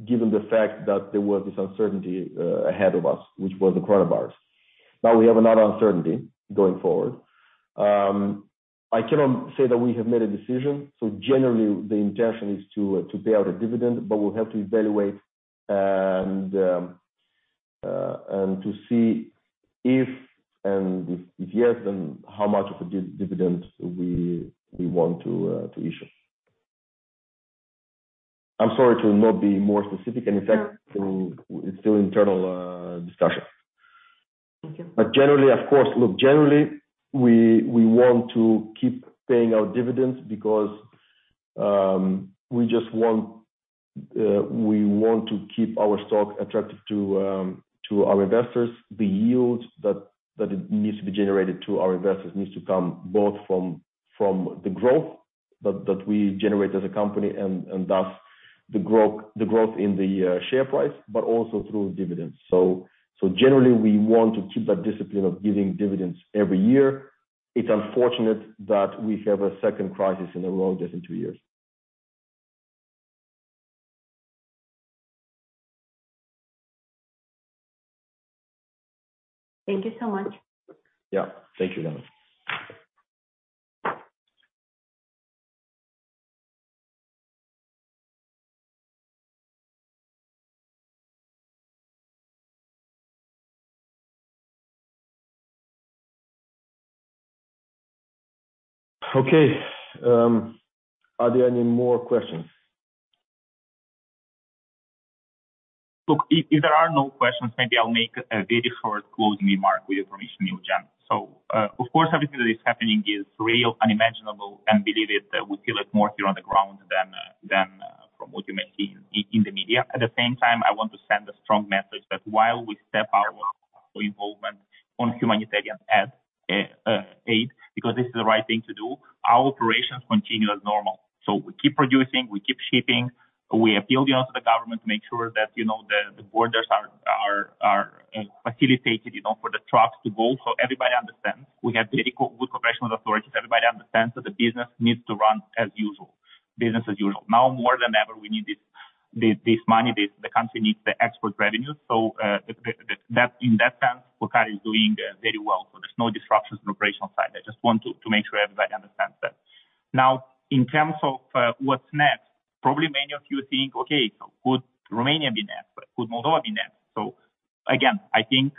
given the fact that there was this uncertainty ahead of us, which was the coronavirus. Now we have another uncertainty going forward. I cannot say that we have made a decision. Generally, the intention is to pay out a dividend, but we'll have to evaluate and to see if yes, then how much of a dividend we want to issue. I'm sorry to not be more specific. In fact, it's still internal discussion. Thank you. Generally, of course. Look, generally, we want to keep paying our dividends because we just want to keep our stock attractive to our investors. The yields that needs to be generated to our investors needs to come both from the growth that we generate as a company, and thus the growth in the share price, but also through dividends. Generally we want to keep that discipline of giving dividends every year. It's unfortunate that we have a second crisis in a row just in two years. Thank you so much. Yeah. Thank you, Iuliana. Okay. Are there any more questions? Look, if there are no questions, maybe I'll make a very short closing remark with your permission, Eugen. Of course, everything that is happening is really unimaginable, and believe it, we feel it more here on the ground than from what you may see in the media. At the same time, I want to send a strong message that while we step up our involvement on humanitarian aid because this is the right thing to do, our operations continue as normal. We keep producing, we keep shipping. We also appeal to the government to make sure that, you know, the borders are facilitated, you know, for the trucks to go. Everybody understands we have very good professional authorities. Everybody understands that the business needs to run as usual, business as usual. Now more than ever, we need this money. The country needs the export revenue. In that sense, Purcari is doing very well. There's no disruptions on operational side. I just want to make sure everybody understands that. Now, in terms of what's next, probably many of you think, okay, could Romania be next? Could Moldova be next? Again, I think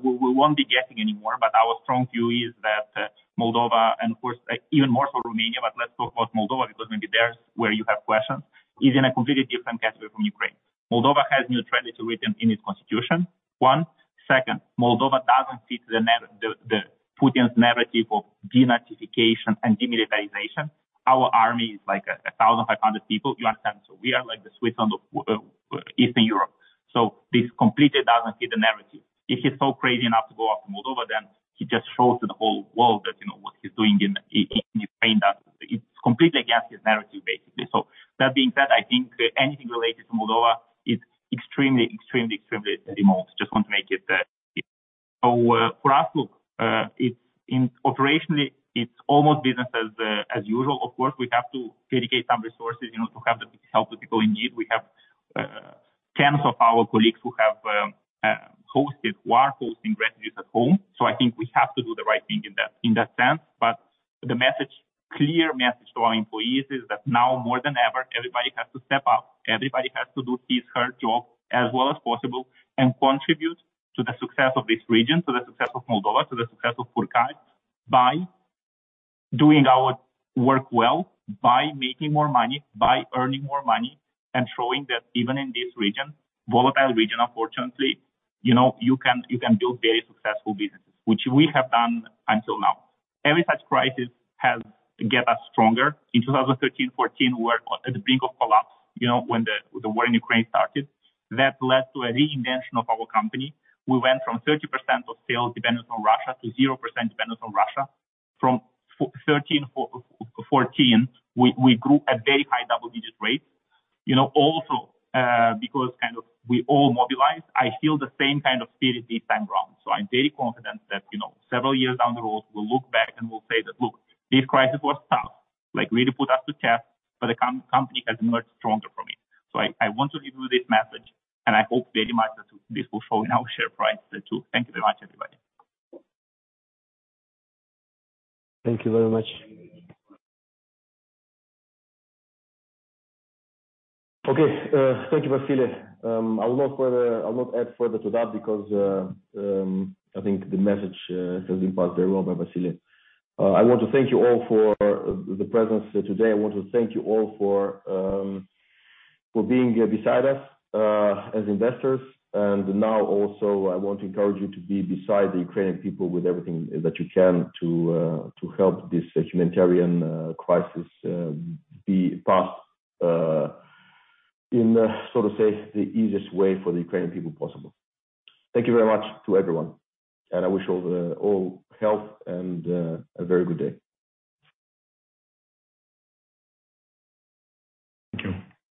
we won't be guessing anymore, but our strong view is that Moldova and of course even more so Romania, but let's talk about Moldova, because maybe there's where you have questions, is in a completely different category from Ukraine. Moldova has neutrality written in its constitution. One. Second, Moldova doesn't fit the Putin's narrative of denazification and demilitarization. Our army is like 1,500 people. You understand? We are like the Switzerland of Eastern Europe. This completely doesn't fit the narrative. If he's so crazy enough to go after Moldova, then he just shows to the whole world that what he's doing in Ukraine that it's completely against his narrative, basically. That being said, I think anything related to Moldova is extremely remote. Just want to make it. For us, look, operationally, it's almost business as usual. Of course, we have to dedicate some resources to help the people in need. We have tens of our colleagues who are hosting refugees at home. I think we have to do the right thing in that sense. The message to our employees is that now more than ever, everybody has to step up. Everybody has to do his or her job as well as possible and contribute to the success of this region, to the success of Moldova, to the success of Purcari, by doing our work well, by making more money, by earning more money, and showing that even in this region, volatile region, unfortunately, you know, you can build very successful businesses, which we have done until now. Every such crisis has gotten us stronger. In 2013-2014, we were at the brink of collapse, you know, when the war in Ukraine started. That led to a reinvention of our company. We went from 30% of sales dependent on Russia to 0% dependent on Russia. From 2013-2014, we grew at very high double-digit rates. You know, also, because kind of we all mobilized. I feel the same kind of spirit this time around. I'm very confident that, you know, several years down the road, we'll look back and we'll say that, "Look, this crisis was tough, like really put us to test, but the company has emerged stronger from it." I want to leave you this message, and I hope very much that this will show in our share price too. Thank you very much, everybody. Thank you very much. Okay. Thank you, Vasile. I'll not add further to that because I think the message has been passed very well by Vasile. I want to thank you all for the presence today. I want to thank you all for being beside us as investors. Now also, I want to encourage you to be beside the Ukrainian people with everything that you can to help this humanitarian crisis be passed in so to say the easiest way for the Ukrainian people possible. Thank you very much to everyone, and I wish all health and a very good day. Thank you.